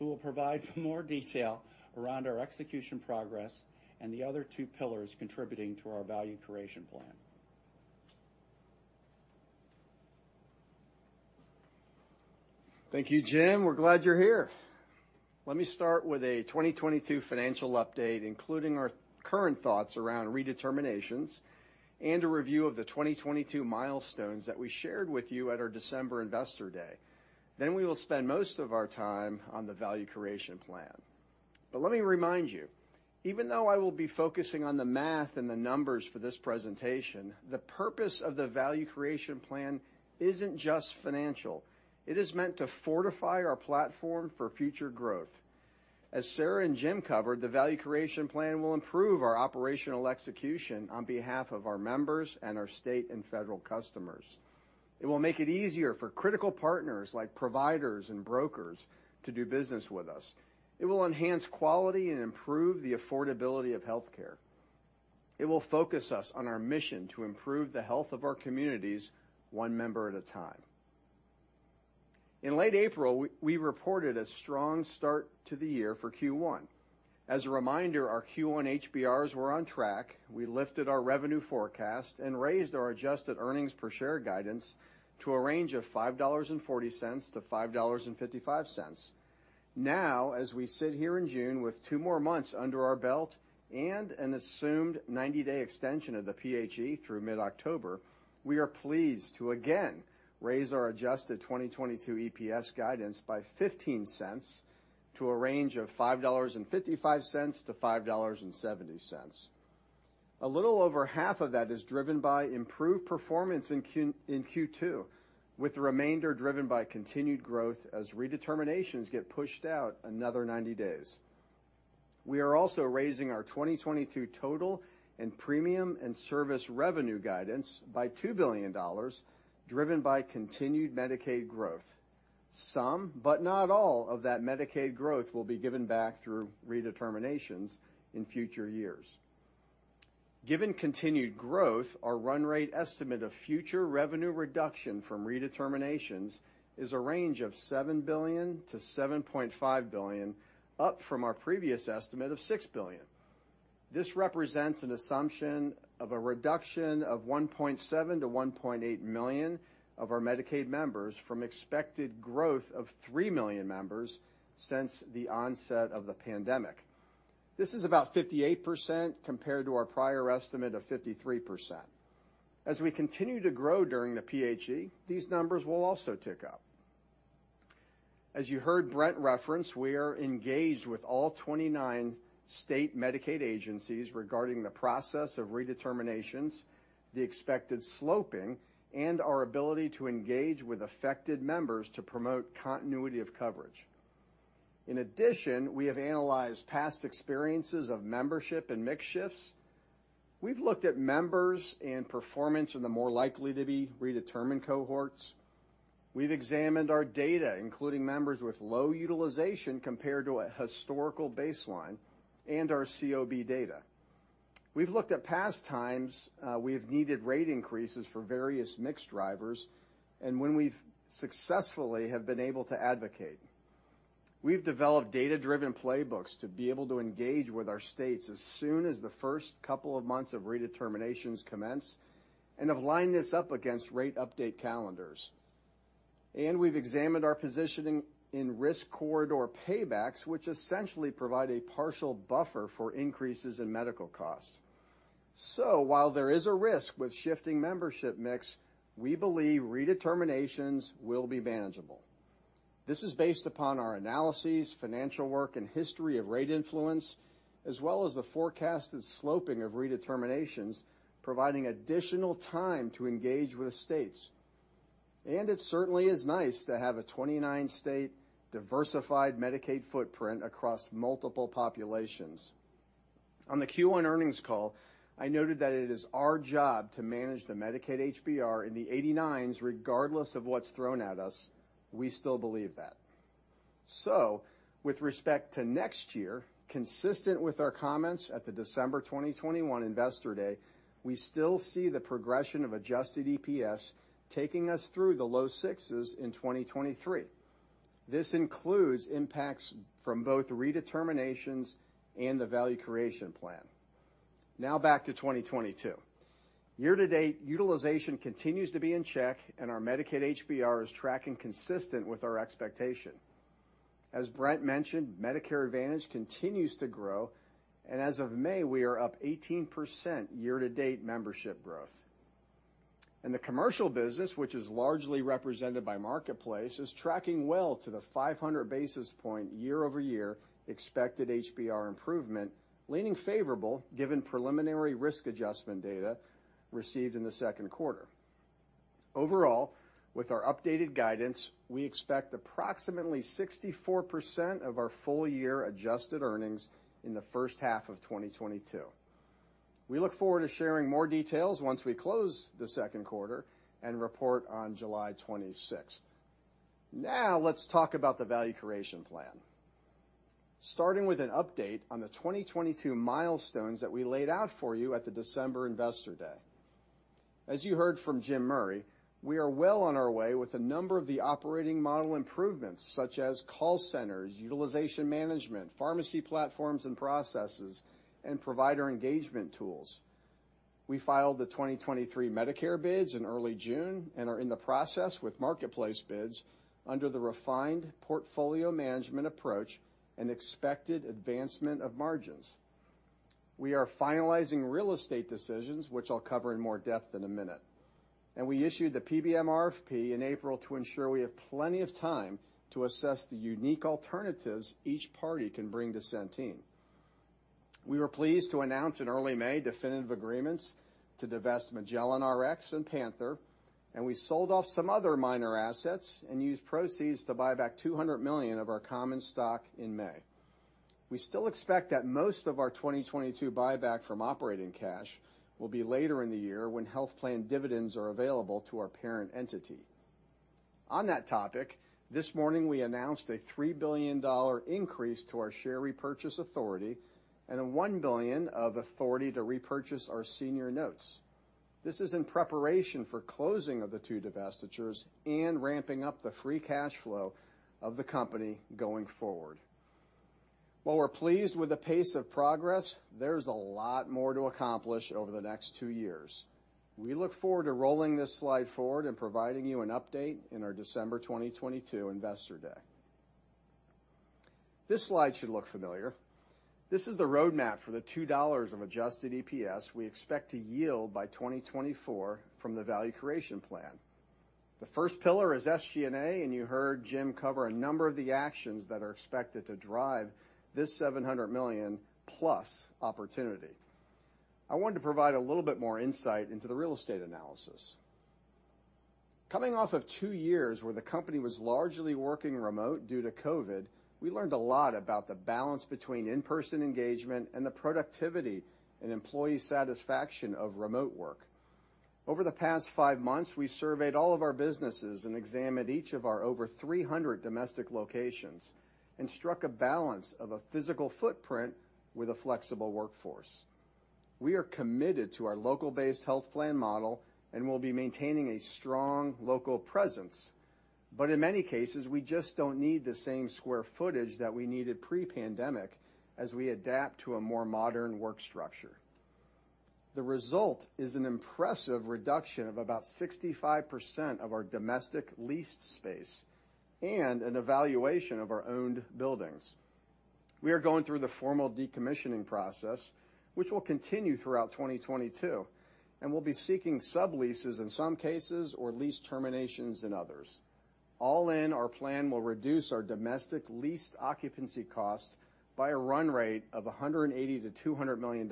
who will provide more detail around our execution progress and the other two pillars contributing to our value creation plan. Thank you, Jim. We're glad you're here. Let me start with a 2022 financial update, including our current thoughts around redeterminations and a review of the 2022 milestones that we shared with you at our December Investor Day. We will spend most of our time on the value creation plan. Let me remind you, even though I will be focusing on the math and the numbers for this presentation, the purpose of the value creation plan isn't just financial. It is meant to fortify our platform for future growth. As Sarah and Jim covered, the value creation plan will improve our operational execution on behalf of our members and our state and federal customers. It will make it easier for critical partners like providers and brokers to do business with us. It will enhance quality and improve the affordability of healthcare. It will focus us on our mission to improve the health of our communities one member at a time. In late April, we reported a strong start to the year for Q1. As a reminder, our Q1 HBRs were on track. We lifted our revenue forecast and raised our adjusted earnings per share guidance to a range of $5.40-$5.55. Now, as we sit here in June with two more months under our belt and an assumed 90-day extension of the PHE through mid-October, we are pleased to again raise our adjusted 2022 EPS guidance by $0.15 to a range of $5.55-$5.70. A little over half of that is driven by improved performance in Q2, with the remainder driven by continued growth as redeterminations get pushed out another 90 days. We are also raising our 2022 total in premium and service revenue guidance by $2 billion driven by continued Medicaid growth. Some, but not all of that Medicaid growth will be given back through redeterminations in future years. Given continued growth, our run rate estimate of future revenue reduction from redeterminations is a range of $7 billion-$7.5 billion, up from our previous estimate of $6 billion. This represents an assumption of a reduction of 1.7 million-1.8 million of our Medicaid members from expected growth of 3 million members since the onset of the pandemic. This is about 58% compared to our prior estimate of 53%. As we continue to grow during the PHE, these numbers will also tick up. As you heard Brent reference, we are engaged with all 29 state Medicaid agencies regarding the process of redeterminations, the expected slowing, and our ability to engage with affected members to promote continuity of coverage. In addition, we have analyzed past experiences of membership and mix shifts. We've looked at members and performance in the more likely to be redetermined cohorts. We've examined our data, including members with low utilization compared to a historical baseline and our COB data. We've looked at past times we have needed rate increases for various mix drivers, and when we've successfully been able to advocate. We've developed data-driven playbooks to be able to engage with our states as soon as the first couple of months of redeterminations commence, and have lined this up against rate update calendars. We've examined our positioning in risk corridor paybacks, which essentially provide a partial buffer for increases in medical costs. While there is a risk with shifting membership mix, we believe redeterminations will be manageable. This is based upon our analyses, financial work, and history of rate influence, as well as the forecasted sloping of redeterminations, providing additional time to engage with states. It certainly is nice to have a 29-state diversified Medicaid footprint across multiple populations. On the Q1 earnings call, I noted that it is our job to manage the Medicaid HBR in the 80s regardless of what's thrown at us. We still believe that. With respect to next year, consistent with our comments at the December 2021 Investor Day, we still see the progression of adjusted EPS taking us through the low sixes in 2023. This includes impacts from both redeterminations and the value creation plan. Now back to 2022. Year-to-date, utilization continues to be in check, and our Medicaid HBR is tracking consistent with our expectation. As Brent mentioned, Medicare Advantage continues to grow, and as of May, we are up 18% year-to-date membership growth. In the commercial business, which is largely represented by Marketplace, is tracking well to the 500 basis point year-over-year expected HBR improvement, leaning favorable given preliminary risk adjustment data received in the second quarter. Overall, with our updated guidance, we expect approximately 64% of our full year adjusted earnings in the first half of 2022. We look forward to sharing more details once we close the second quarter and report on July 26th. Now let's talk about the value creation plan. Starting with an update on the 2022 milestones that we laid out for you at the December Investor Day. As you heard from Jim Murray, we are well on our way with a number of the operating model improvements such as call centers, utilization management, pharmacy platforms and processes, and provider engagement tools. We filed the 2023 Medicare bids in early June and are in the process with Marketplace bids under the refined portfolio management approach and expected advancement of margins. We are finalizing real estate decisions, which I'll cover in more depth in a minute. We issued the PBM RFP in April to ensure we have plenty of time to assess the unique alternatives each party can bring to Centene. We were pleased to announce in early May definitive agreements to divest Magellan Rx and PANTHERx Rare, and we sold off some other minor assets and used proceeds to buy back $200 million of our common stock in May. We still expect that most of our 2022 buyback from operating cash will be later in the year when health plan dividends are available to our parent entity. On that topic, this morning we announced a $3 billion increase to our share repurchase authority and a $1 billion of authority to repurchase our senior notes. This is in preparation for closing of the two divestitures and ramping up the free cash flow of the company going forward. While we're pleased with the pace of progress, there's a lot more to accomplish over the next two years. We look forward to rolling this slide forward and providing you an update in our December 2022 Investor Day. This slide should look familiar. This is the roadmap for the $2 of adjusted EPS we expect to yield by 2024 from the value creation plan. The first pillar is SG&A, and you heard Jim cover a number of the actions that are expected to drive this $700 million plus opportunity. I wanted to provide a little bit more insight into the real estate analysis. Coming off of two years where the company was largely working remote due to COVID, we learned a lot about the balance between in-person engagement and the productivity and employee satisfaction of remote work. Over the past five months, we've surveyed all of our businesses and examined each of our over 300 domestic locations and struck a balance of a physical footprint with a flexible workforce. We are committed to our local-based health plan model and will be maintaining a strong local presence. In many cases, we just don't need the same square footage that we needed pre-pandemic as we adapt to a more modern work structure. The result is an impressive reduction of about 65% of our domestic leased space and an evaluation of our owned buildings. We are going through the formal decommissioning process, which will continue throughout 2022, and we'll be seeking subleases in some cases or lease terminations in others. All in, our plan will reduce our domestic leased occupancy cost by a run rate of $180 million-$200 million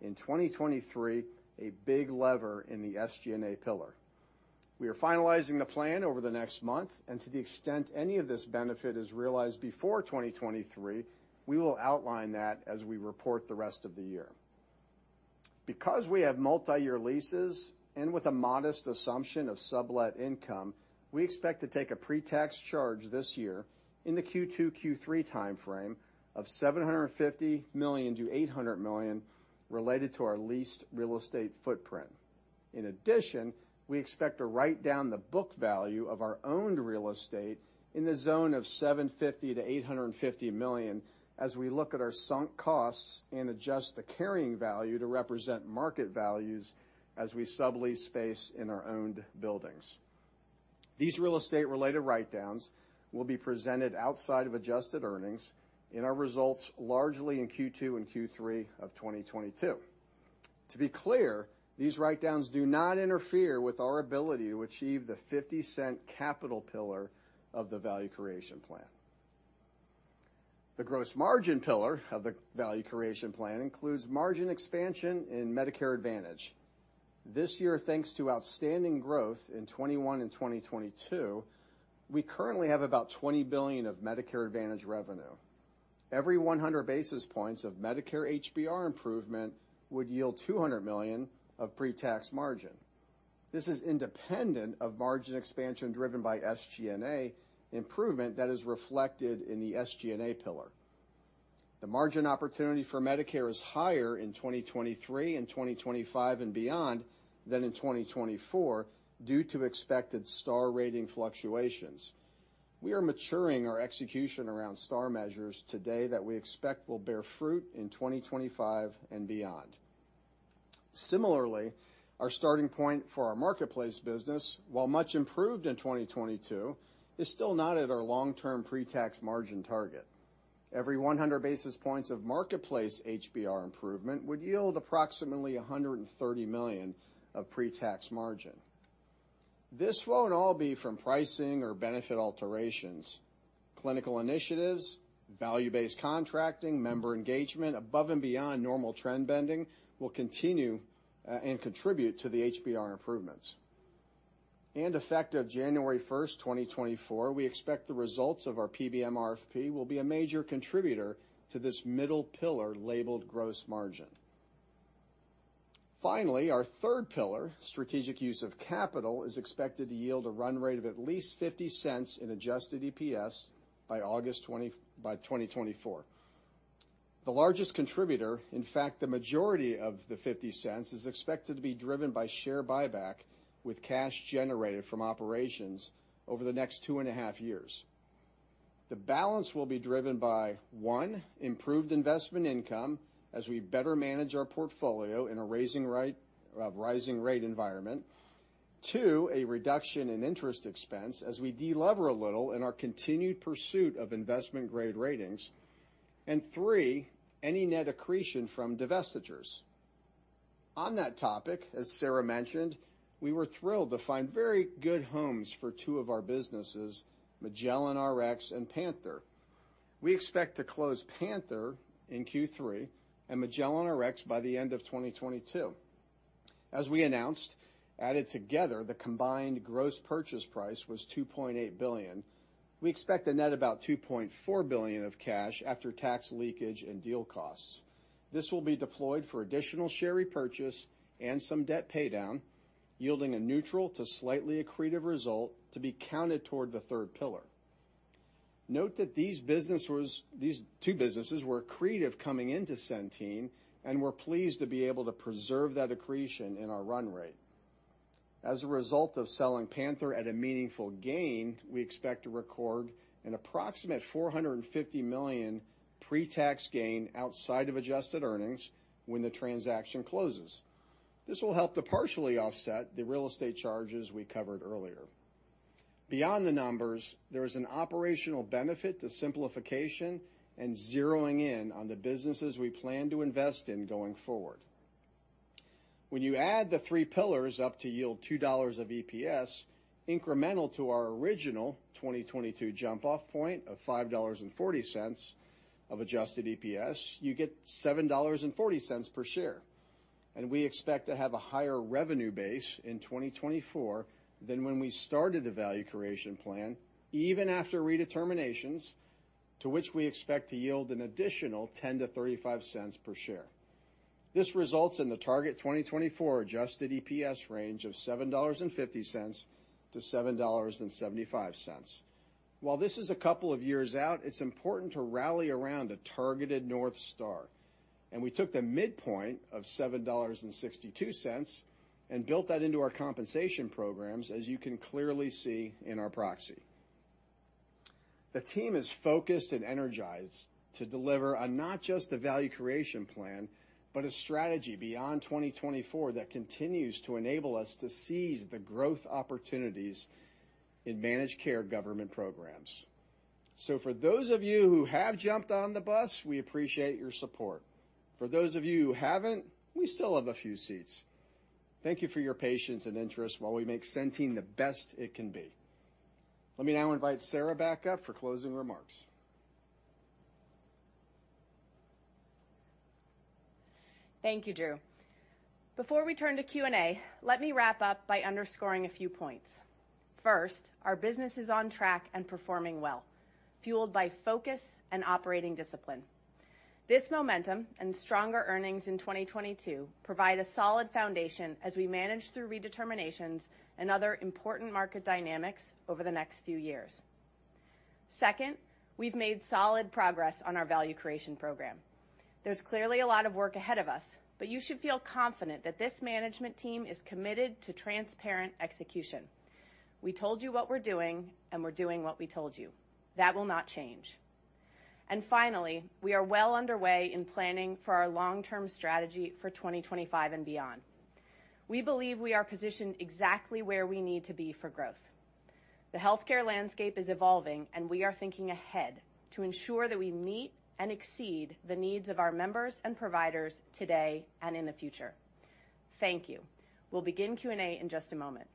in 2023, a big lever in the SG&A pillar. We are finalizing the plan over the next month, and to the extent any of this benefit is realized before 2023, we will outline that as we report the rest of the year. Because we have multi-year leases and with a modest assumption of sublet income, we expect to take a pre-tax charge this year in the Q2-Q3 timeframe of $750 million-$800 million related to our leased real estate footprint. In addition, we expect to write down the book value of our owned real estate in the zone of $750 million-$850 million as we look at our sunk costs and adjust the carrying value to represent market values as we sublease space in our owned buildings. These real estate-related write-downs will be presented outside of adjusted earnings in our results largely in Q2 and Q3 of 2022. To be clear, these write-downs do not interfere with our ability to achieve the $0.50 capital pillar of the value creation plan. The gross margin pillar of the value creation plan includes margin expansion in Medicare Advantage. This year, thanks to outstanding growth in 2021 and 2022, we currently have about $20 billion of Medicare Advantage revenue. Every 100 basis points of Medicare HBR improvement would yield $200 million of pre-tax margin. This is independent of margin expansion driven by SG&A improvement that is reflected in the SG&A pillar. The margin opportunity for Medicare is higher in 2023 and 2025 and beyond than in 2024 due to expected star rating fluctuations. We are maturing our execution around star measures today that we expect will bear fruit in 2025 and beyond. Similarly, our starting point for our Marketplace business, while much improved in 2022, is still not at our long-term pre-tax margin target. Every 100 basis points of Marketplace HBR improvement would yield approximately $130 million of pre-tax margin. This won't all be from pricing or benefit alterations. Clinical initiatives, value-based contracting, member engagement above and beyond normal trend bending will continue and contribute to the HBR improvements. Effective January 1, 2024, we expect the results of our PBM RFP will be a major contributor to this middle pillar labeled gross margin. Finally, our third pillar, strategic use of capital, is expected to yield a run rate of at least $0.50 in adjusted EPS by August 2024. The largest contributor, in fact, the majority of the $0.50, is expected to be driven by share buyback with cash generated from operations over the next 2.5 years. The balance will be driven by, one, improved investment income as we better manage our portfolio in a rising rate environment. Two, a reduction in interest expense as we de-lever a little in our continued pursuit of investment grade ratings. And three, any net accretion from divestitures. On that topic, as Sarah mentioned, we were thrilled to find very good homes for two of our businesses, Magellan Rx and PANTHERx Rare. We expect to close PANTHERx Rare in Q3 and Magellan Rx by the end of 2022. As we announced, added together, the combined gross purchase price was $2.8 billion. We expect to net about $2.4 billion of cash after tax leakage and deal costs. This will be deployed for additional share repurchase and some debt paydown, yielding a neutral to slightly accretive result to be counted toward the third pillar. Note that these two businesses were accretive coming into Centene, and we're pleased to be able to preserve that accretion in our run rate. As a result of selling Panther at a meaningful gain, we expect to record an approximate $450 million pre-tax gain outside of adjusted earnings when the transaction closes. This will help to partially offset the real estate charges we covered earlier. Beyond the numbers, there is an operational benefit to simplification and zeroing in on the businesses we plan to invest in going forward. When you add the three pillars up to yield $2 of EPS incremental to our original 2022 jump-off point of $5.40 of adjusted EPS, you get $7.40 per share. We expect to have a higher revenue base in 2024 than when we started the value creation plan, even after redeterminations, to which we expect to yield an additional $0.10-$0.35 per share. This results in the target 2024 adjusted EPS range of $7.50-$7.75. While this is a couple of years out, it's important to rally around a targeted North Star, and we took the midpoint of $7.62 and built that into our compensation programs, as you can clearly see in our proxy. The team is focused and energized to deliver on not just the value creation plan, but a strategy beyond 2024 that continues to enable us to seize the growth opportunities in managed care government programs. For those of you who have jumped on the bus, we appreciate your support. For those of you who haven't, we still have a few seats. Thank you for your patience and interest while we make Centene the best it can be. Let me now invite Sarah back up for closing remarks. Thank you, Drew. Before we turn to Q&A, let me wrap up by underscoring a few points. First, our business is on track and performing well, fueled by focus and operating discipline. This momentum and stronger earnings in 2022 provide a solid foundation as we manage through redeterminations and other important market dynamics over the next few years. Second, we've made solid progress on our value creation program. There's clearly a lot of work ahead of us, but you should feel confident that this management team is committed to transparent execution. We told you what we're doing, and we're doing what we told you. That will not change. Finally, we are well underway in planning for our long-term strategy for 2025 and beyond. We believe we are positioned exactly where we need to be for growth. The healthcare landscape is evolving, and we are thinking ahead to ensure that we meet and exceed the needs of our members and providers today and in the future. Thank you. We'll begin Q&A in just a moment.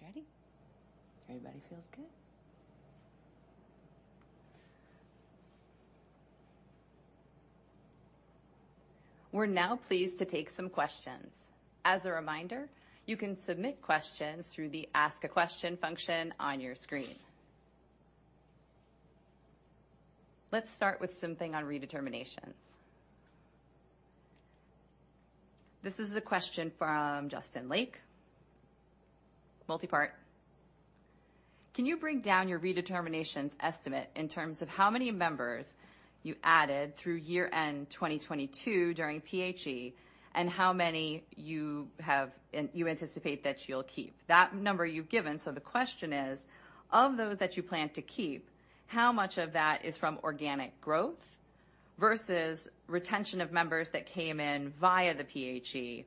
You guys ready? Everybody feels good? We're now pleased to take some questions. As a reminder, you can submit questions through the ask a question function on your screen. Let's start with something on redeterminations. This is a question from Justin Lake. Multi-part. Can you break down your redeterminations estimate in terms of how many members you added through year-end 2022 during PHE, and how many you anticipate that you'll keep? That number you've given, so the question is, of those that you plan to keep, how much of that is from organic growth versus retention of members that came in via the PHE?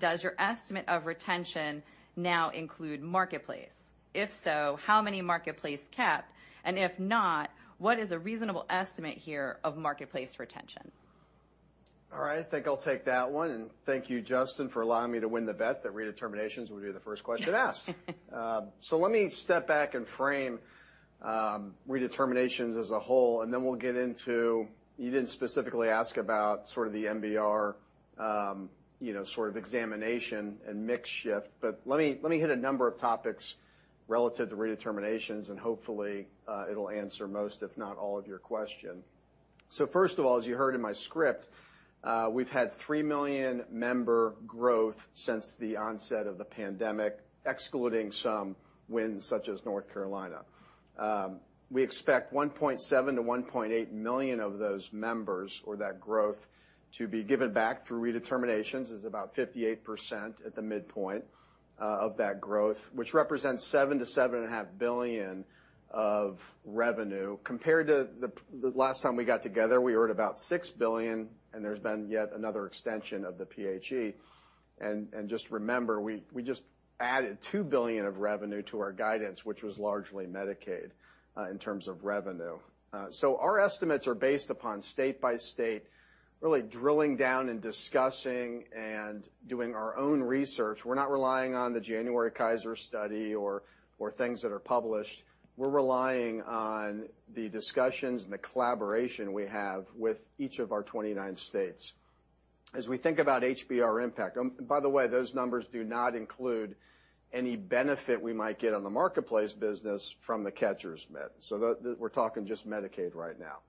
Does your estimate of retention now include Marketplace? If so, how many Marketplace cap? If not, what is a reasonable estimate here of Marketplace retention? All right. I think I'll take that one. Thank you, Justin, for allowing me to win the bet that redeterminations would be the first question asked. Let me step back and frame redeterminations as a whole, and then we'll get into. You didn't specifically ask about sort of the MBR, you know, sort of examination and mix shift, but let me hit a number of topics relative to redeterminations, and hopefully, it'll answer most, if not all, of your question. First of all, as you heard in my script, we've had 3 million member growth since the onset of the pandemic, excluding some wins such as North Carolina. We expect 1.7-1.8 million of those members or that growth to be given back through redeterminations. It's about 58% at the midpoint of that growth, which represents $7 billion-$7.5 billion of revenue. Compared to the last time we got together, we were at about $6 billion, and there's been yet another extension of the PHE. Just remember, we just added $2 billion of revenue to our guidance, which was largely Medicaid in terms of revenue. So our estimates are based upon state by state, really drilling down and discussing and doing our own research. We're not relying on the January Kaiser study or things that are published. We're relying on the discussions and the collaboration we have with each of our 29 states. As we think about HBR impact. By the way, those numbers do not include any benefit we might get on the Marketplace business from the catcher's mitt. We're talking just Medicaid right now.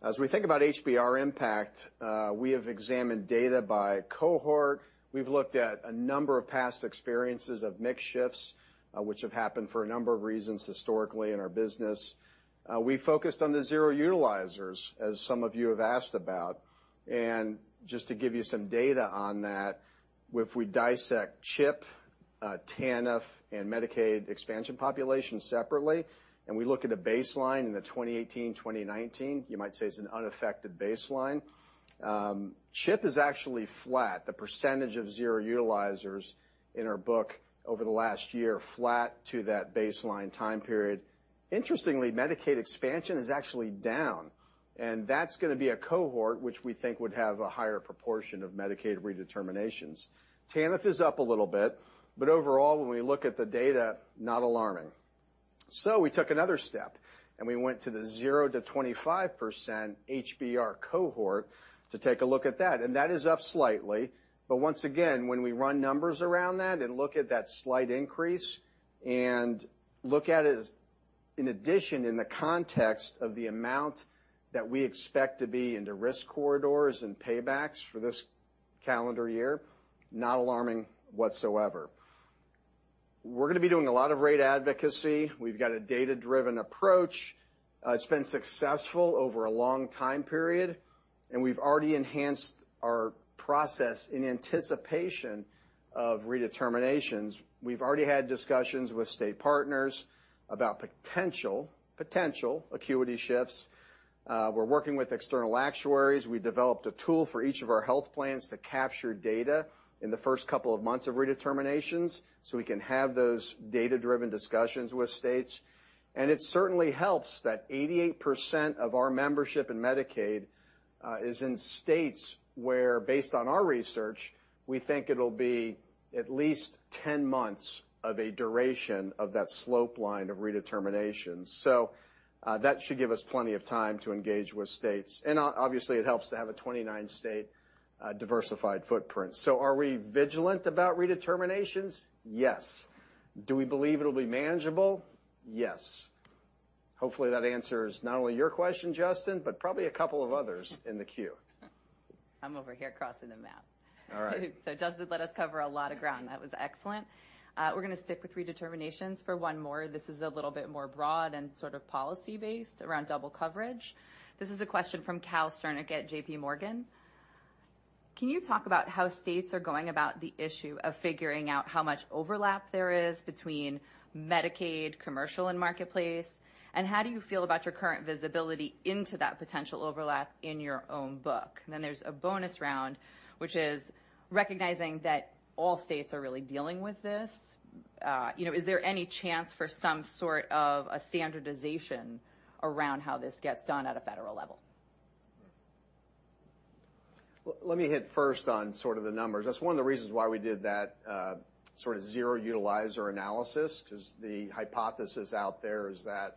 As we think about HBR impact, we have examined data by cohort. We've looked at a number of past experiences of mix shifts, which have happened for a number of reasons historically in our business. We focused on the zero utilizers, as some of you have asked about. Just to give you some data on that, if we dissect CHIP, TANF, and Medicaid expansion population separately, and we look at a baseline in the 2018, 2019, you might say it's an unaffected baseline. CHIP is actually flat, the percentage of zero utilizers in our book over the last year, flat to that baseline time period. Interestingly, Medicaid expansion is actually down, and that's gonna be a cohort which we think would have a higher proportion of Medicaid redeterminations. TANF is up a little bit, but overall, when we look at the data, not alarming. We took another step, and we went to the 0%-25% HBR cohort to take a look at that. That is up slightly. Once again, when we run numbers around that and look at that slight increase and look at it as in addition in the context of the amount that we expect to be in the risk corridors and paybacks for this calendar year, not alarming whatsoever. We're gonna be doing a lot of rate advocacy. We've got a data-driven approach. It's been successful over a long time period, and we've already enhanced our process in anticipation of redeterminations. We've already had discussions with state partners about potential acuity shifts. We're working with external actuaries. We developed a tool for each of our health plans to capture data in the first couple of months of redeterminations, so we can have those data-driven discussions with states. It certainly helps that 88% of our membership in Medicaid is in states where based on our research, we think it'll be at least 10 months of a duration of that slope line of redetermination. That should give us plenty of time to engage with states, and obviously, it helps to have a 29-state diversified footprint. Are we vigilant about redeterminations? Yes. Do we believe it'll be manageable? Yes. Hopefully, that answers not only your question, Justin, but probably a couple of others in the queue. I'm over here crossing them out. All right. Justin let us cover a lot of ground. That was excellent. We're gonna stick with redeterminations for one more. This is a little bit more broad and sort of policy-based around double coverage. This is a question from Calvin Sternick at JP Morgan. Can you talk about how states are going about the issue of figuring out how much overlap there is between Medicaid, commercial, and marketplace? And how do you feel about your current visibility into that potential overlap in your own book? And then there's a bonus round, which is recognizing that all states are really dealing with this. You know, is there any chance for some sort of a standardization around how this gets done at a federal level? Let me hit first on sort of the numbers. That's one of the reasons why we did that, sort of zero utilizer analysis, 'cause the hypothesis out there is that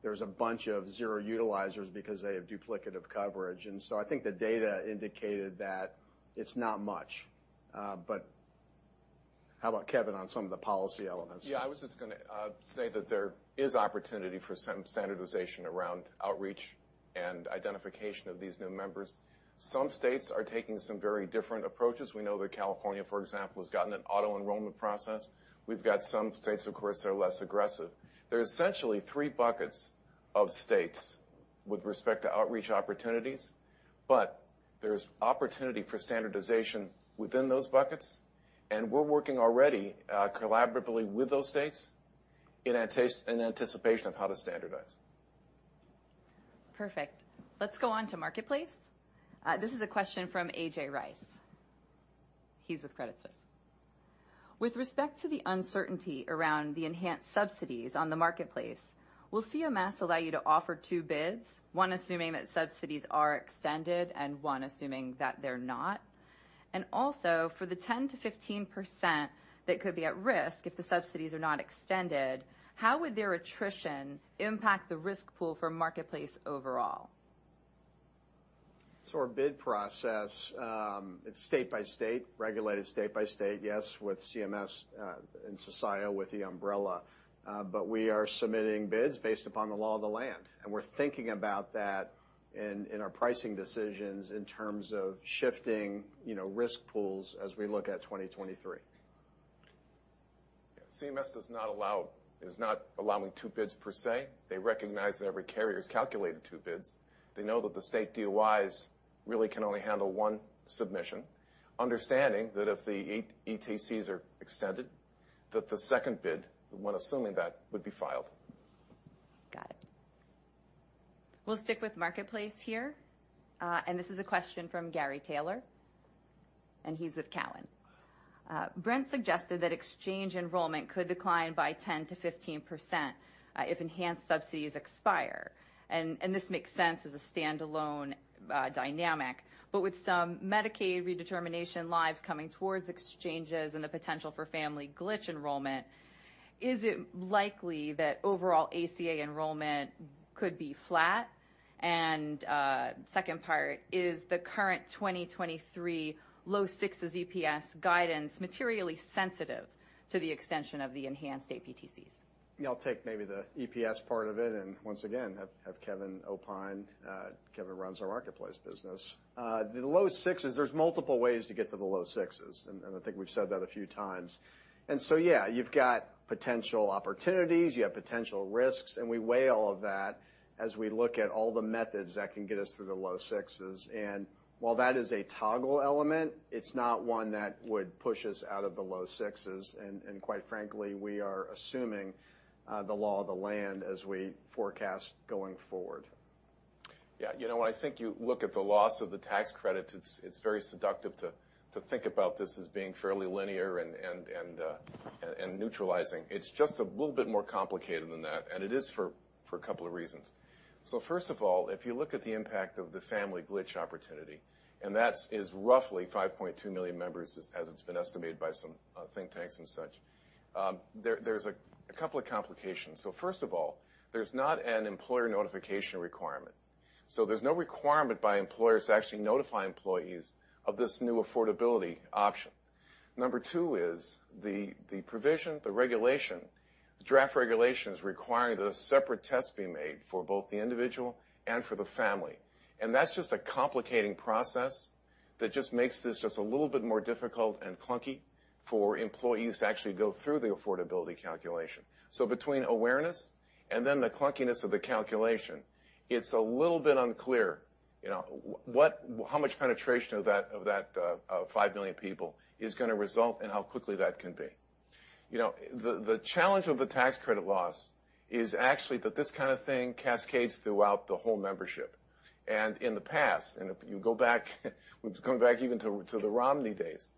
there's a bunch of zero utilizers because they have duplicative coverage. I think the data indicated that it's not much. How about Kevin on some of the policy elements? Yeah, I was just gonna say that there is opportunity for some standardization around outreach and identification of these new members. Some states are taking some very different approaches. We know that California, for example, has gotten an auto-enrollment process. We've got some states, of course, that are less aggressive. There are essentially three buckets of states with respect to outreach opportunities, but there's opportunity for standardization within those buckets, and we're working already collaboratively with those states in anticipation of how to standardize. Perfect. Let's go on to Marketplace. This is a question from A.J. Rice. He's with Credit Suisse. With respect to the uncertainty around the enhanced subsidies on the Marketplace, will CMS allow you to offer two bids, one assuming that subsidies are extended and one assuming that they're not? And also, for the 10%-15% that could be at risk if the subsidies are not extended, how would their attrition impact the risk pool for Marketplace overall? Our bid process, it's state by state, regulated state by state, yes, with CMS, and CCIIO with the umbrella. We are submitting bids based upon the law of the land, and we're thinking about that in our pricing decisions in terms of shifting, you know, risk pools as we look at 2023. CMS is not allowing two bids per se. They recognize that every carrier has calculated two bids. They know that the state DOIs really can only handle one submission, understanding that if the eAPTCs are extended, that the second bid, the one assuming that, would be filed. Got it. We'll stick with Marketplace here. This is a question from Gary Taylor, and he's with Cowen. Brent suggested that exchange enrollment could decline by 10%-15% if enhanced subsidies expire. This makes sense as a standalone dynamic. With some Medicaid redetermination lives coming towards exchanges and the potential for family glitch enrollment, is it likely that overall ACA enrollment could be flat? Second part, is the current 2023 low sixes EPS guidance materially sensitive to the extension of the enhanced APTCs? Yeah, I'll take maybe the EPS part of it, and once again have Kevin opine. Kevin runs our Marketplace business. The low sixes, there's multiple ways to get to the low sixes, and I think we've said that a few times. Yeah, you've got potential opportunities, you have potential risks, and we weigh all of that as we look at all the methods that can get us through the low sixes. While that is a toggle element, it's not one that would push us out of the low sixes. Quite frankly, we are assuming the law of the land as we forecast going forward. Yeah, you know, I think you look at the loss of the tax credit, it's very seductive to think about this as being fairly linear and neutralizing. It's just a little bit more complicated than that, and it is for a couple of reasons. First of all, if you look at the impact of the family glitch opportunity, and that's is roughly 5.2 million members as it's been estimated by some think tanks and such, there's a couple of complications. First of all, there's not an employer notification requirement. There's no requirement by employers to actually notify employees of this new affordability option. Number two is the provision, the regulation, the draft regulations require that a separate test be made for both the individual and for the family. That's a complicating process that makes this a little bit more difficult and clunky for employees to actually go through the affordability calculation. Between awareness and then the clunkiness of the calculation, it's a little bit unclear, you know, how much penetration of that 5 million people is gonna result and how quickly that can be. You know, the challenge of the tax credit loss is actually that this kind of thing cascades throughout the whole membership. In the past, if you go back, we can go back even to the Romney days,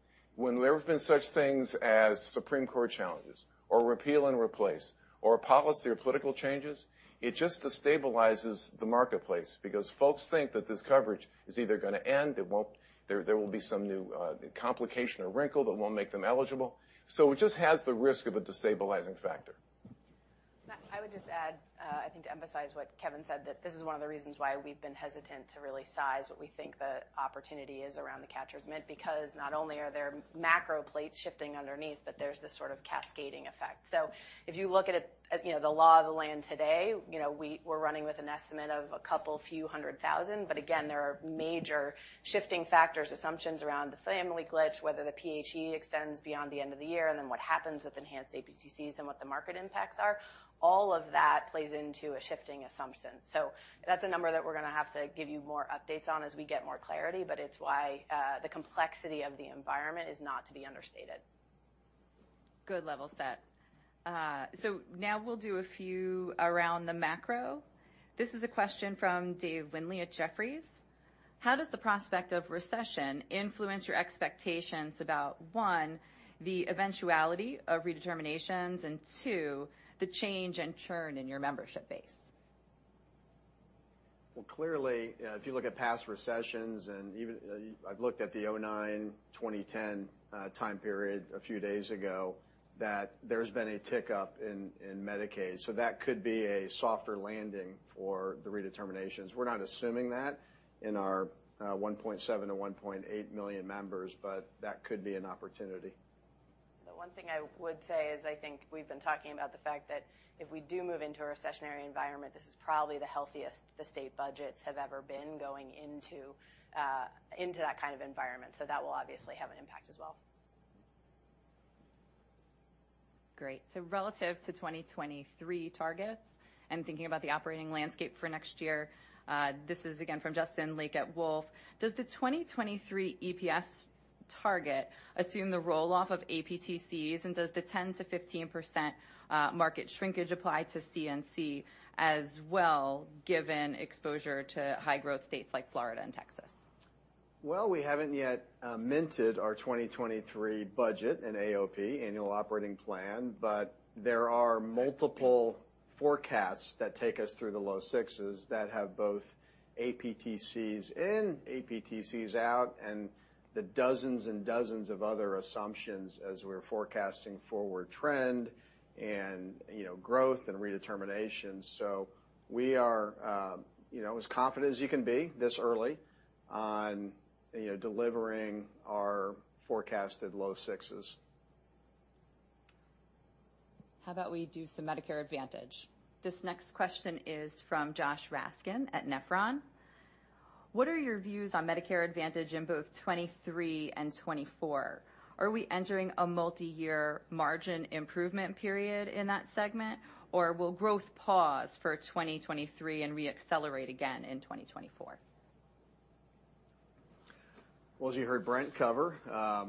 when there have been such things as Supreme Court challenges or repeal and replace, or policy or political changes, it just destabilizes the Marketplace because folks think that this coverage is either gonna end, it won't. There will be some new complication or wrinkle that won't make them eligible. It just has the risk of a destabilizing factor. I would just add, I think to emphasize what Kevin said, that this is one of the reasons why we've been hesitant to really size what we think the opportunity is around the catcher's mitt, because not only are there macro plates shifting underneath, but there's this sort of cascading effect. If you look at it, you know, the law of the land today, you know, we're running with an estimate of a couple few hundred thousand. Again, there are major shifting factors, assumptions around the family glitch, whether the PHE extends beyond the end of the year, and then what happens with enhanced APTCs and what the market impacts are. All of that plays into a shifting assumption. That's a number that we're gonna have to give you more updates on as we get more clarity, but it's why the complexity of the environment is not to be understated. Good level set. Now we'll do a few around the macro. This is a question from Dave Windley at Jefferies: How does the prospect of recession influence your expectations about, one, the eventuality of redeterminations, and two, the change and churn in your membership base? Well, clearly, if you look at past recessions, and even, I've looked at the 2009, 2010 time period a few days ago, that there's been a tick up in Medicaid. That could be a softer landing for the redeterminations. We're not assuming that in our 1.7-1.8 million members, but that could be an opportunity. The one thing I would say is I think we've been talking about the fact that if we do move into a recessionary environment, this is probably the healthiest the state budgets have ever been going into that kind of environment. That will obviously have an impact as well. Great. Relative to 2023 targets and thinking about the operating landscape for next year, this is again from Justin Lake at Wolfe: Does the 2023 EPS target assume the roll-off of APTCs, and does the 10%-15% market shrinkage apply to CNC as well, given exposure to high-growth states like Florida and Texas? Well, we haven't yet minted our 2023 budget in AOP, annual operating plan, but there are multiple forecasts that take us through the low sixes that have both APTCs in, APTCs out, and the dozens and dozens of other assumptions as we're forecasting forward trend and, you know, growth and redetermination. We are, you know, as confident as you can be this early on, you know, delivering our forecasted low sixes. How about we do some Medicare Advantage? This next question is from Josh Raskin at Nephron. What are your views on Medicare Advantage in both 2023 and 2024? Are we entering a multiyear margin improvement period in that segment, or will growth pause for 2023 and reaccelerate again in 2024? Well, as you heard Brent cover,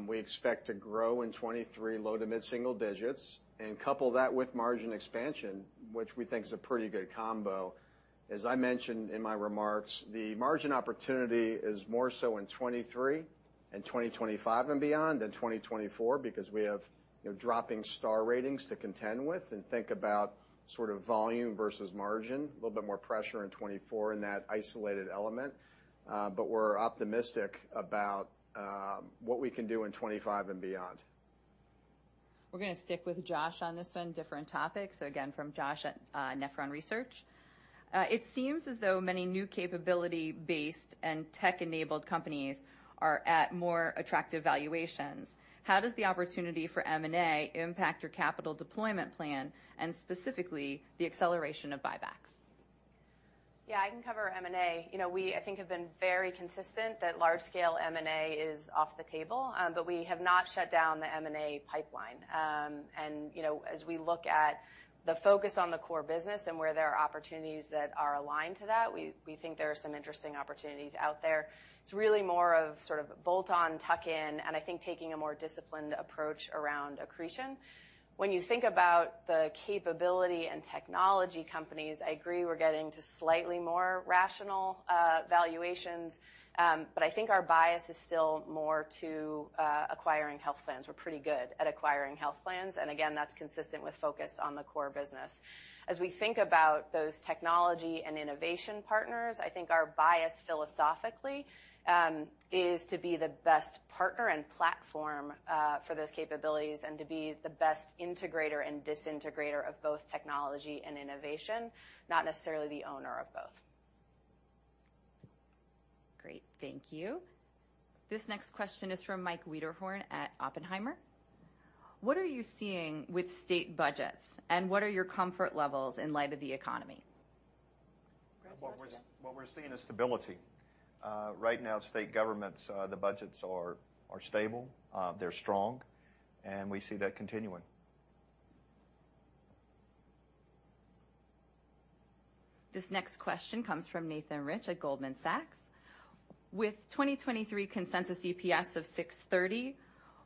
we expect to grow in 2023 low to mid-single digits and couple that with margin expansion, which we think is a pretty good combo. As I mentioned in my remarks, the margin opportunity is more so in 2023 and 2025 and beyond than 2024 because we have, you know, dropping star ratings to contend with and think about sort of volume versus margin, a little bit more pressure in 2024 in that isolated element. We're optimistic about what we can do in 2025 and beyond. We're gonna stick with Josh on this one, different topic. Again, from Josh Raskin at Nephron Research. It seems as though many new capability-based and tech-enabled companies are at more attractive valuations. How does the opportunity for M&A impact your capital deployment plan, and specifically the acceleration of buybacks? Yeah, I can cover M&A. You know, we, I think, have been very consistent that large-scale M&A is off the table, but we have not shut down the M&A pipeline. You know, as we look at the focus on the core business and where there are opportunities that are aligned to that, we think there are some interesting opportunities out there. It's really more of sort of bolt-on, tuck-in, and I think taking a more disciplined approach around accretion. When you think about the capability and technology companies, I agree we're getting to slightly more rational, valuations. But I think our bias is still more to acquiring health plans. We're pretty good at acquiring health plans, and again, that's consistent with focus on the core business. As we think about those technology and innovation partners, I think our bias philosophically is to be the best partner and platform for those capabilities and to be the best integrator and disintegrator of both technology and innovation, not necessarily the owner of both. Great. Thank you. This next question is from Michael Wiederhorn at Oppenheimer. What are you seeing with state budgets, and what are your comfort levels in light of the economy? Great question. What we're seeing is stability. Right now state governments, the budgets are stable, they're strong, and we see that continuing. This next question comes from Nathan Rich at Goldman Sachs. With 2023 consensus EPS of $6.30,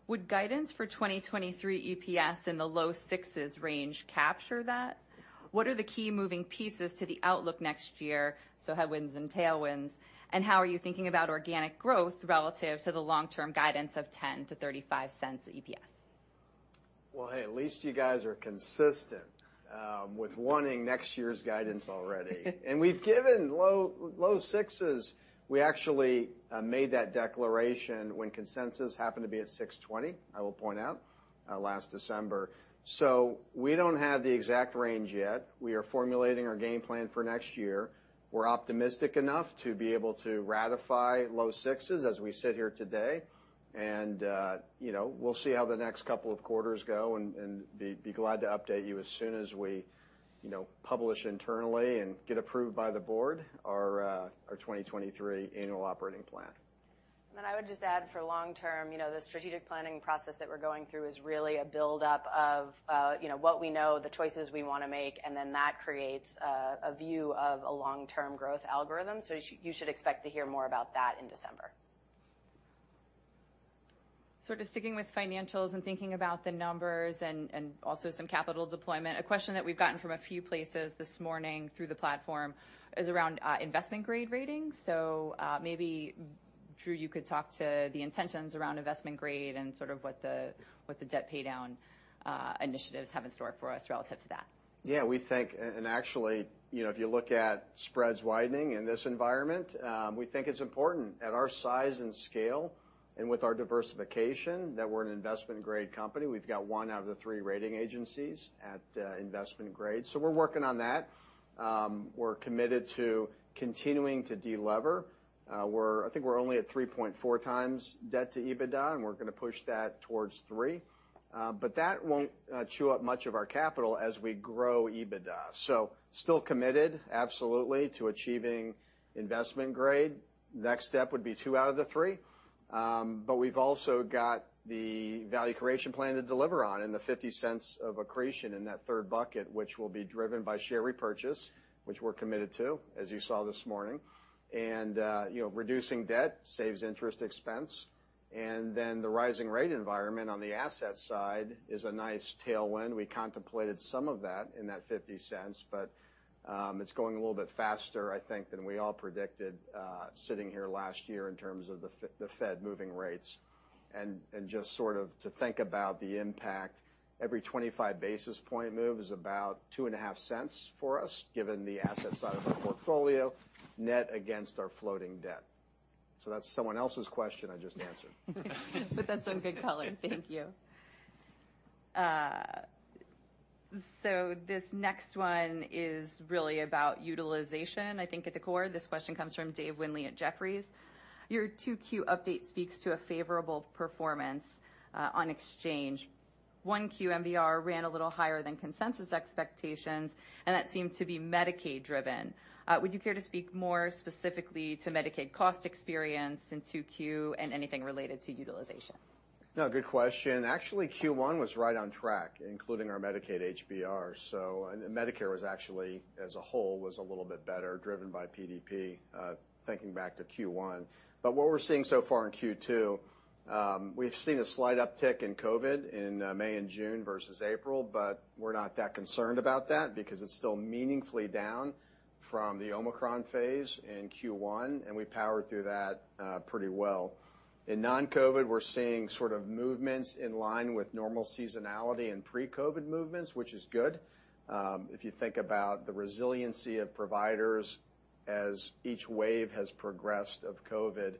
would guidance for 2023 EPS in the low sixes range capture that? What are the key moving pieces to the outlook next year, so headwinds and tailwinds? How are you thinking about organic growth relative to the long-term guidance of $0.10-$0.35 EPS? Well, hey, at least you guys are consistent with wanting next year's guidance already. We've given low sixes. We actually made that declaration when consensus happened to be at 620, I will point out, last December. We don't have the exact range yet. We are formulating our game plan for next year. We're optimistic enough to be able to ratify low sixes as we sit here today. You know, we'll see how the next couple of quarters go and be glad to update you as soon as we, you know, publish internally and get approved by the board our 2023 annual operating plan. I would just add for long term, you know, the strategic planning process that we're going through is really a build up of, you know, what we know, the choices we want to make, and then that creates, a view of a long-term growth algorithm. You should expect to hear more about that in December. Sort of sticking with financials and thinking about the numbers and also some capital deployment, a question that we've gotten from a few places this morning through the platform is around, investment grade ratings. Maybe, Drew, you could talk to the intentions around investment grade and sort of what the debt pay down, initiatives have in store for us relative to that. Yeah, we think, and actually, you know, if you look at spreads widening in this environment, we think it's important at our size and scale and with our diversification that we're an investment grade company. We've got one out of the three rating agencies at investment grade. We're working on that. We're committed to continuing to de-lever. I think we're only at 3.4 times debt to EBITDA, and we're going to push that towards three. But that won't chew up much of our capital as we grow EBITDA. Still committed, absolutely, to achieving investment grade. Next step would be two out of the three. We've also got the value creation plan to deliver on and the $0.50 of accretion in that third bucket, which will be driven by share repurchase, which we're committed to, as you saw this morning. You know, reducing debt saves interest expense. The rising rate environment on the asset side is a nice tailwind. We contemplated some of that in that $0.50, but it's going a little bit faster, I think, than we all predicted, sitting here last year in terms of the Fed moving rates. Just sort of to think about the impact, every 25 basis point move is about $0.025 for us, given the asset side of our portfolio net against our floating debt. That's someone else's question I just answered. That's on good color. Thank you. This next one is really about utilization, I think at the core. This question comes from Dave Windley at Jefferies. Your 2Q update speaks to a favorable performance on exchange. 1Q MBR ran a little higher than consensus expectations, and that seemed to be Medicaid driven. Would you care to speak more specifically to Medicaid cost experience in 2Q and anything related to utilization? No, good question. Actually, Q1 was right on track, including our Medicaid HBR. Medicare was actually, as a whole, a little bit better driven by PDP, thinking back to Q1. What we're seeing so far in Q2, we've seen a slight uptick in COVID in May and June versus April, but we're not that concerned about that because it's still meaningfully down from the Omicron phase in Q1, and we powered through that pretty well. In non-COVID, we're seeing sort of movements in line with normal seasonality and pre-COVID movements, which is good. If you think about the resiliency of providers as each wave has progressed of COVID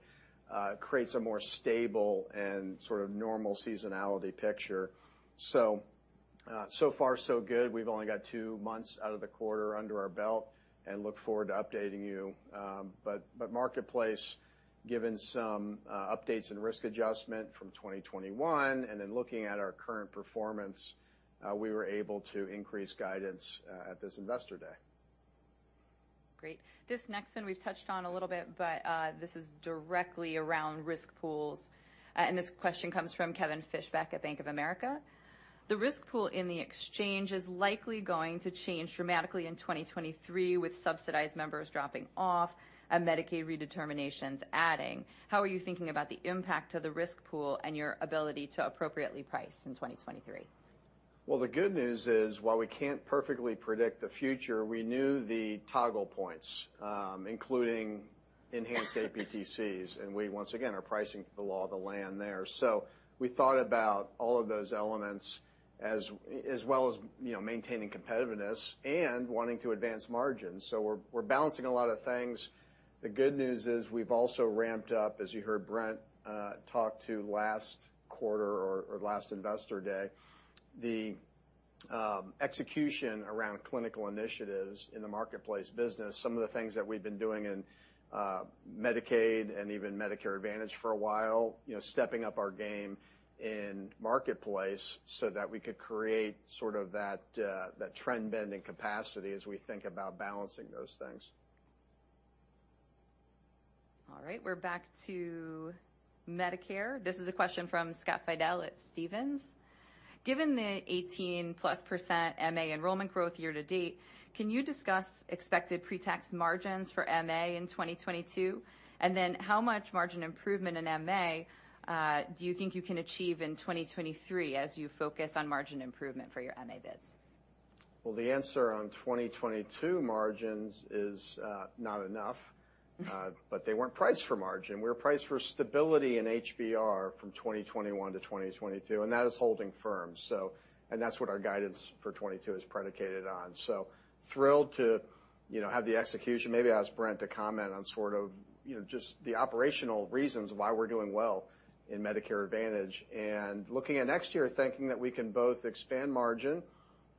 creates a more stable and sort of normal seasonality picture. So far so good. We've only got two months out of the quarter under our belt and look forward to updating you. Marketplace, given some updates and risk adjustment from 2021, and then looking at our current performance, we were able to increase guidance at this Investor Day. Great. This next one we've touched on a little bit, but, this is directly around risk pools. This question comes from Kevin Fischbeck at Bank of America. The risk pool in the exchange is likely going to change dramatically in 2023, with subsidized members dropping off and Medicaid redeterminations adding. How are you thinking about the impact to the risk pool and your ability to appropriately price in 2023? Well, the good news is, while we can't perfectly predict the future, we knew the toggle points, including enhanced APTCs, and we once again are pricing for the law of the land there. We thought about all of those elements as well as, you know, maintaining competitiveness and wanting to advance margins. We're balancing a lot of things. The good news is we've also ramped up, as you heard Brent talk to last quarter or last Investor Day, the execution around clinical initiatives in the Marketplace business, some of the things that we've been doing in Medicaid and even Medicare Advantage for a while, you know, stepping up our game in Marketplace so that we could create sort of that trend bending capacity as we think about balancing those things. All right, we're back to Medicare. This is a question from Scott Fidel at Stephens. Given the 18%+ MA enrollment growth year-to-date, can you discuss expected pre-tax margins for MA in 2022? How much margin improvement in MA do you think you can achieve in 2023 as you focus on margin improvement for your MA bids? Well, the answer on 2022 margins is not enough. But they weren't priced for margin. We were priced for stability in HBR from 2021 to 2022, and that is holding firm. That's what our guidance for 2022 is predicated on. Thrilled to, you know, have the execution. Maybe ask Brent to comment on sort of, you know, just the operational reasons why we're doing well in Medicare Advantage. Looking at next year, thinking that we can both expand margin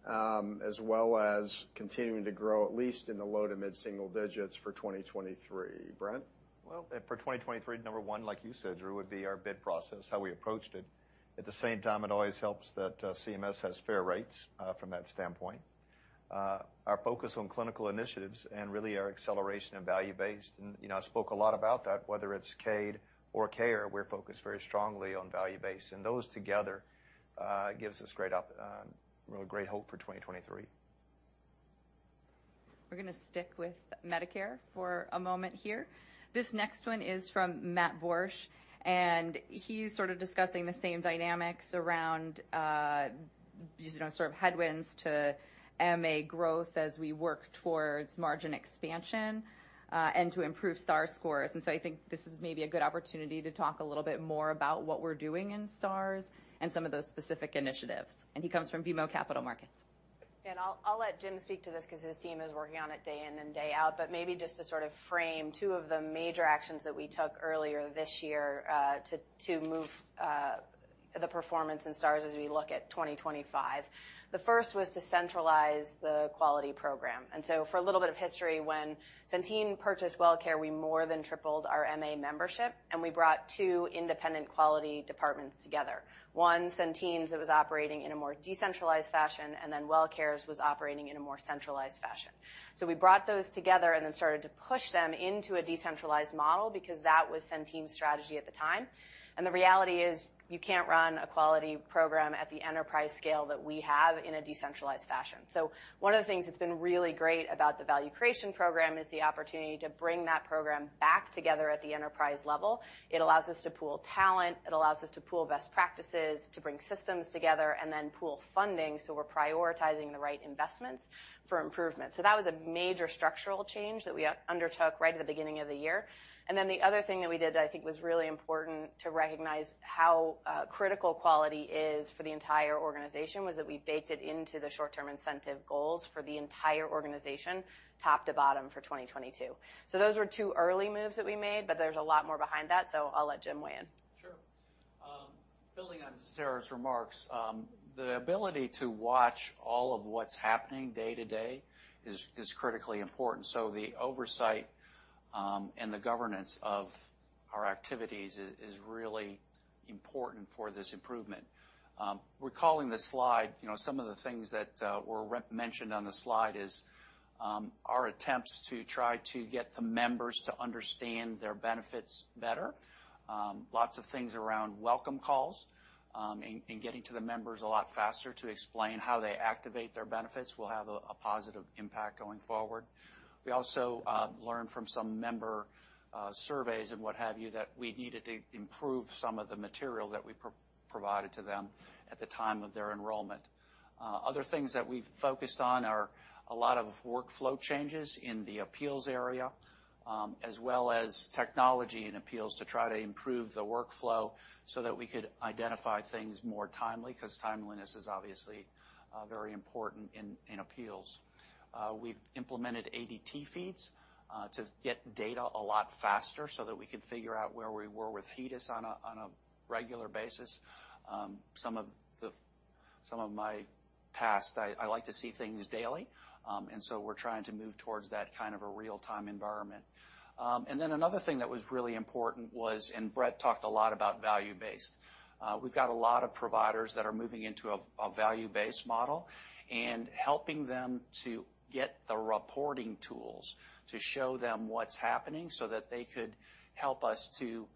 as well as continuing to grow at least in the low to mid-single digits for 2023. Brent? Well, for 2023, number one, like you said, Drew, would be our bid process, how we approached it. At the same time, it always helps that CMS has fair rates from that standpoint. Our focus on clinical initiatives and really our acceleration in value-based. You know, I spoke a lot about that, whether it's Medicaid or Medicare, we're focused very strongly on value-based. Those together gives us really great hope for 2023. We're gonna stick with Medicare for a moment here. This next one is from Matthew Borsch, and he's sort of discussing the same dynamics around sort of headwinds to MA growth as we work towards margin expansion and to improve STAR scores. He comes from BMO Capital Markets. I'll let Jim speak to this because his team is working on it day in and day out. Maybe just to sort of frame two of the major actions that we took earlier this year to move the performance in Stars as we look at 2025. The first was to centralize the quality program. For a little bit of history, when Centene purchased Wellcare, we more than tripled our MA membership, and we brought two independent quality departments together. One, Centene's, that was operating in a more decentralized fashion, and then Wellcare's was operating in a more centralized fashion. We brought those together and then started to push them into a decentralized model because that was Centene's strategy at the time. The reality is, you can't run a quality program at the enterprise scale that we have in a decentralized fashion. One of the things that's been really great about the value creation program is the opportunity to bring that program back together at the enterprise level. It allows us to pool talent, it allows us to pool best practices, to bring systems together, and then pool funding, so we're prioritizing the right investments for improvement. That was a major structural change that we undertook right at the beginning of the year. Then the other thing that we did that I think was really important to recognize how critical quality is for the entire organization, was that we baked it into the short-term incentive goals for the entire organization, top to bottom for 2022. Those were two early moves that we made, but there's a lot more behind that, so I'll let Jim weigh in. Sure. Building on Sarah's remarks, the ability to watch all of what's happening day to day is critically important. The oversight and the governance of our activities is really important for this improvement. Recalling the slide, you know, some of the things that were re-mentioned on the slide is our attempts to try to get the members to understand their benefits better. Lots of things around welcome calls and getting to the members a lot faster to explain how they activate their benefits will have a positive impact going forward. We also learned from some member surveys and what have you, that we needed to improve some of the material that we provided to them at the time of their enrollment. Other things that we've focused on are a lot of workflow changes in the appeals area, as well as technology in appeals to try to improve the workflow so that we could identify things more timely, 'cause timeliness is obviously very important in appeals. We've implemented ADT feeds to get data a lot faster so that we can figure out where we were with HEDIS on a regular basis. Some of my past, I like to see things daily. Another thing that was really important was, and Brent talked a lot about value based. We've got a lot of providers that are moving into a value-based model, and helping them to get the reporting tools to show them what's happening so that they could help us to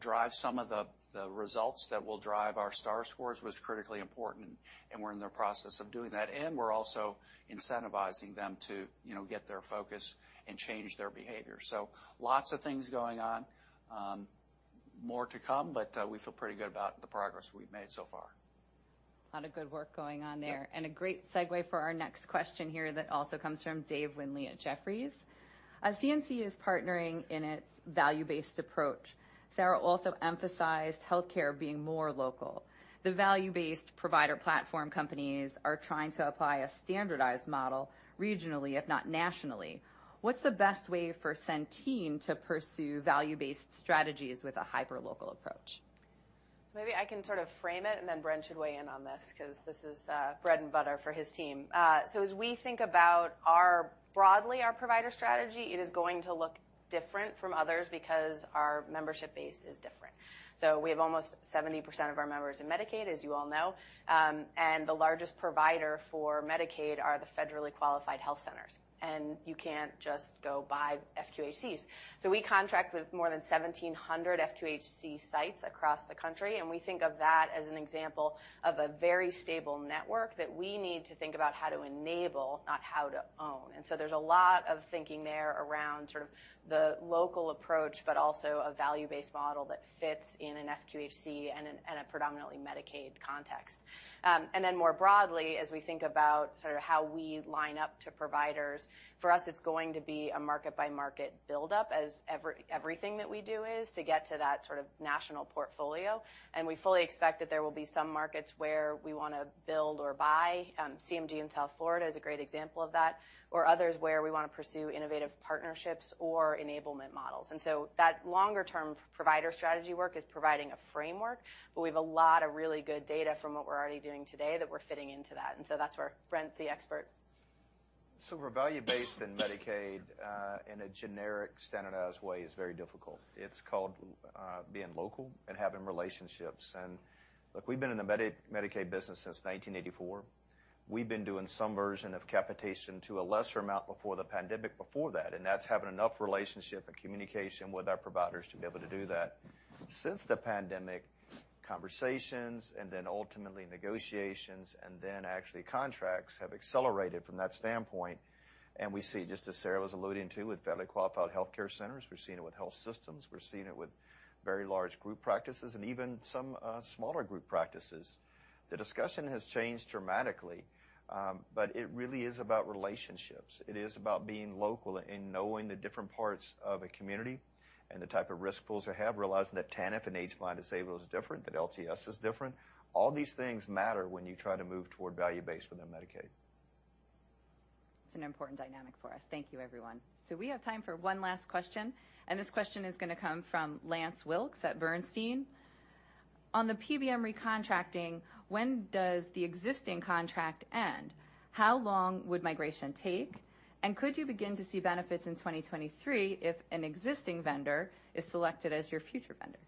drive some of the results that will drive our Star scores was critically important, and we're in the process of doing that. We're also incentivizing them to, you know, get their focus and change their behavior. Lots of things going on. More to come, but we feel pretty good about the progress we've made so far. A lot of good work going on there. Sure. A great segue for our next question here that also comes from Dave Windley at Jefferies. As CNC is partnering in its value-based approach, Sarah also emphasized healthcare being more local. The value-based provider platform companies are trying to apply a standardized model regionally, if not nationally. What's the best way for Centene to pursue value-based strategies with a hyperlocal approach? Maybe I can sort of frame it, and then Brent should weigh in on this because this is bread and butter for his team. As we think about our broadly, our provider strategy, it is going to look different from others because our membership base is different. We have almost 70% of our members in Medicaid, as you all know. The largest provider for Medicaid are the Federally Qualified Health Centers. You can't just go buy FQHCs. We contract with more than 1,700 FQHC sites across the country, and we think of that as an example of a very stable network that we need to think about how to enable, not how to own. There's a lot of thinking there around sort of the local approach, but also a value-based model that fits in an FQHC and a predominantly Medicaid context. Then more broadly, as we think about sort of how we line up to providers, for us, it's going to be a market-by-market build-up as everything that we do is to get to that sort of national portfolio. We fully expect that there will be some markets where we wanna build or buy, CMG in South Florida is a great example of that, or others where we wanna pursue innovative partnerships or enablement models. That longer-term provider strategy work is providing a framework, but we have a lot of really good data from what we're already doing today that we're fitting into that. That's where Brent's the expert. We're value-based in Medicaid in a generic standardized way is very difficult. It's called being local and having relationships. Look, we've been in the Medicaid business since 1984. We've been doing some version of capitation to a lesser amount before the pandemic before that, and that's having enough relationship and communication with our providers to be able to do that. Since the pandemic, conversations and then ultimately negotiations, and then actually contracts have accelerated from that standpoint. We see, just as Sarah was alluding to, with Federally Qualified Health Centers, we're seeing it with health systems, we're seeing it with very large group practices and even some smaller group practices. The discussion has changed dramatically, but it really is about relationships. It is about being local and knowing the different parts of a community and the type of risk pools they have, realizing that TANF and Aged, Blind, and Disabled is different, that LTSS is different. All these things matter when you try to move toward value-based within Medicaid. It's an important dynamic for us. Thank you, everyone. We have time for one last question, and this question is gonna come from Lance Wilkes at Bernstein. On the PBM recontracting, when does the existing contract end? How long would migration take? And could you begin to see benefits in 2023 if an existing vendor is selected as your future vendor?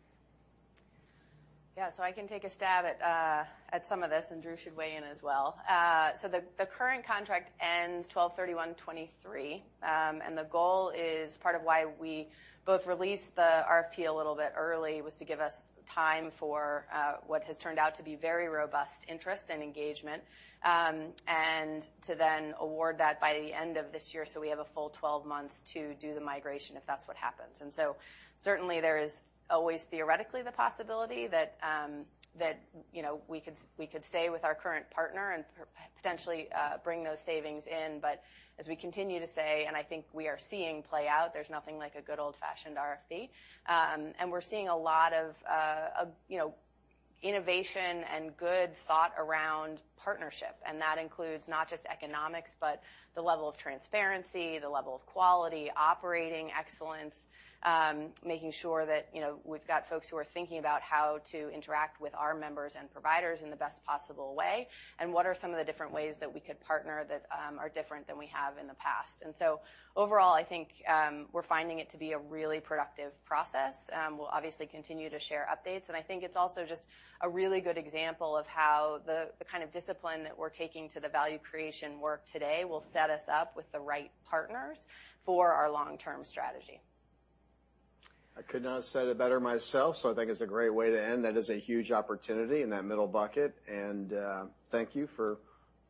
Yeah. I can take a stab at some of this, and Drew should weigh in as well. The current contract ends 12/31/2023. The goal is part of why we both released the RFP a little bit early was to give us time for what has turned out to be very robust interest and engagement, and to then award that by the end of this year, so we have a full 12 months to do the migration, if that's what happens. Certainly there is always theoretically the possibility that that you know we could stay with our current partner and potentially bring those savings in. As we continue to say, and I think we are seeing play out, there's nothing like a good old-fashioned RFP. We're seeing a lot of, you know, innovation and good thought around partnership, and that includes not just economics, but the level of transparency, the level of quality, operating excellence, making sure that, you know, we've got folks who are thinking about how to interact with our members and providers in the best possible way, and what are some of the different ways that we could partner that are different than we have in the past. Overall, I think, we're finding it to be a really productive process. We'll obviously continue to share updates, and I think it's also just a really good example of how the kind of discipline that we're taking to the value creation work today will set us up with the right partners for our long-term strategy. I could not have said it better myself, so I think it's a great way to end. That is a huge opportunity in that middle bucket. Thank you for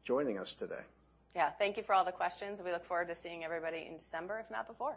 joining us today. Yeah. Thank you for all the questions. We look forward to seeing everybody in December, if not before.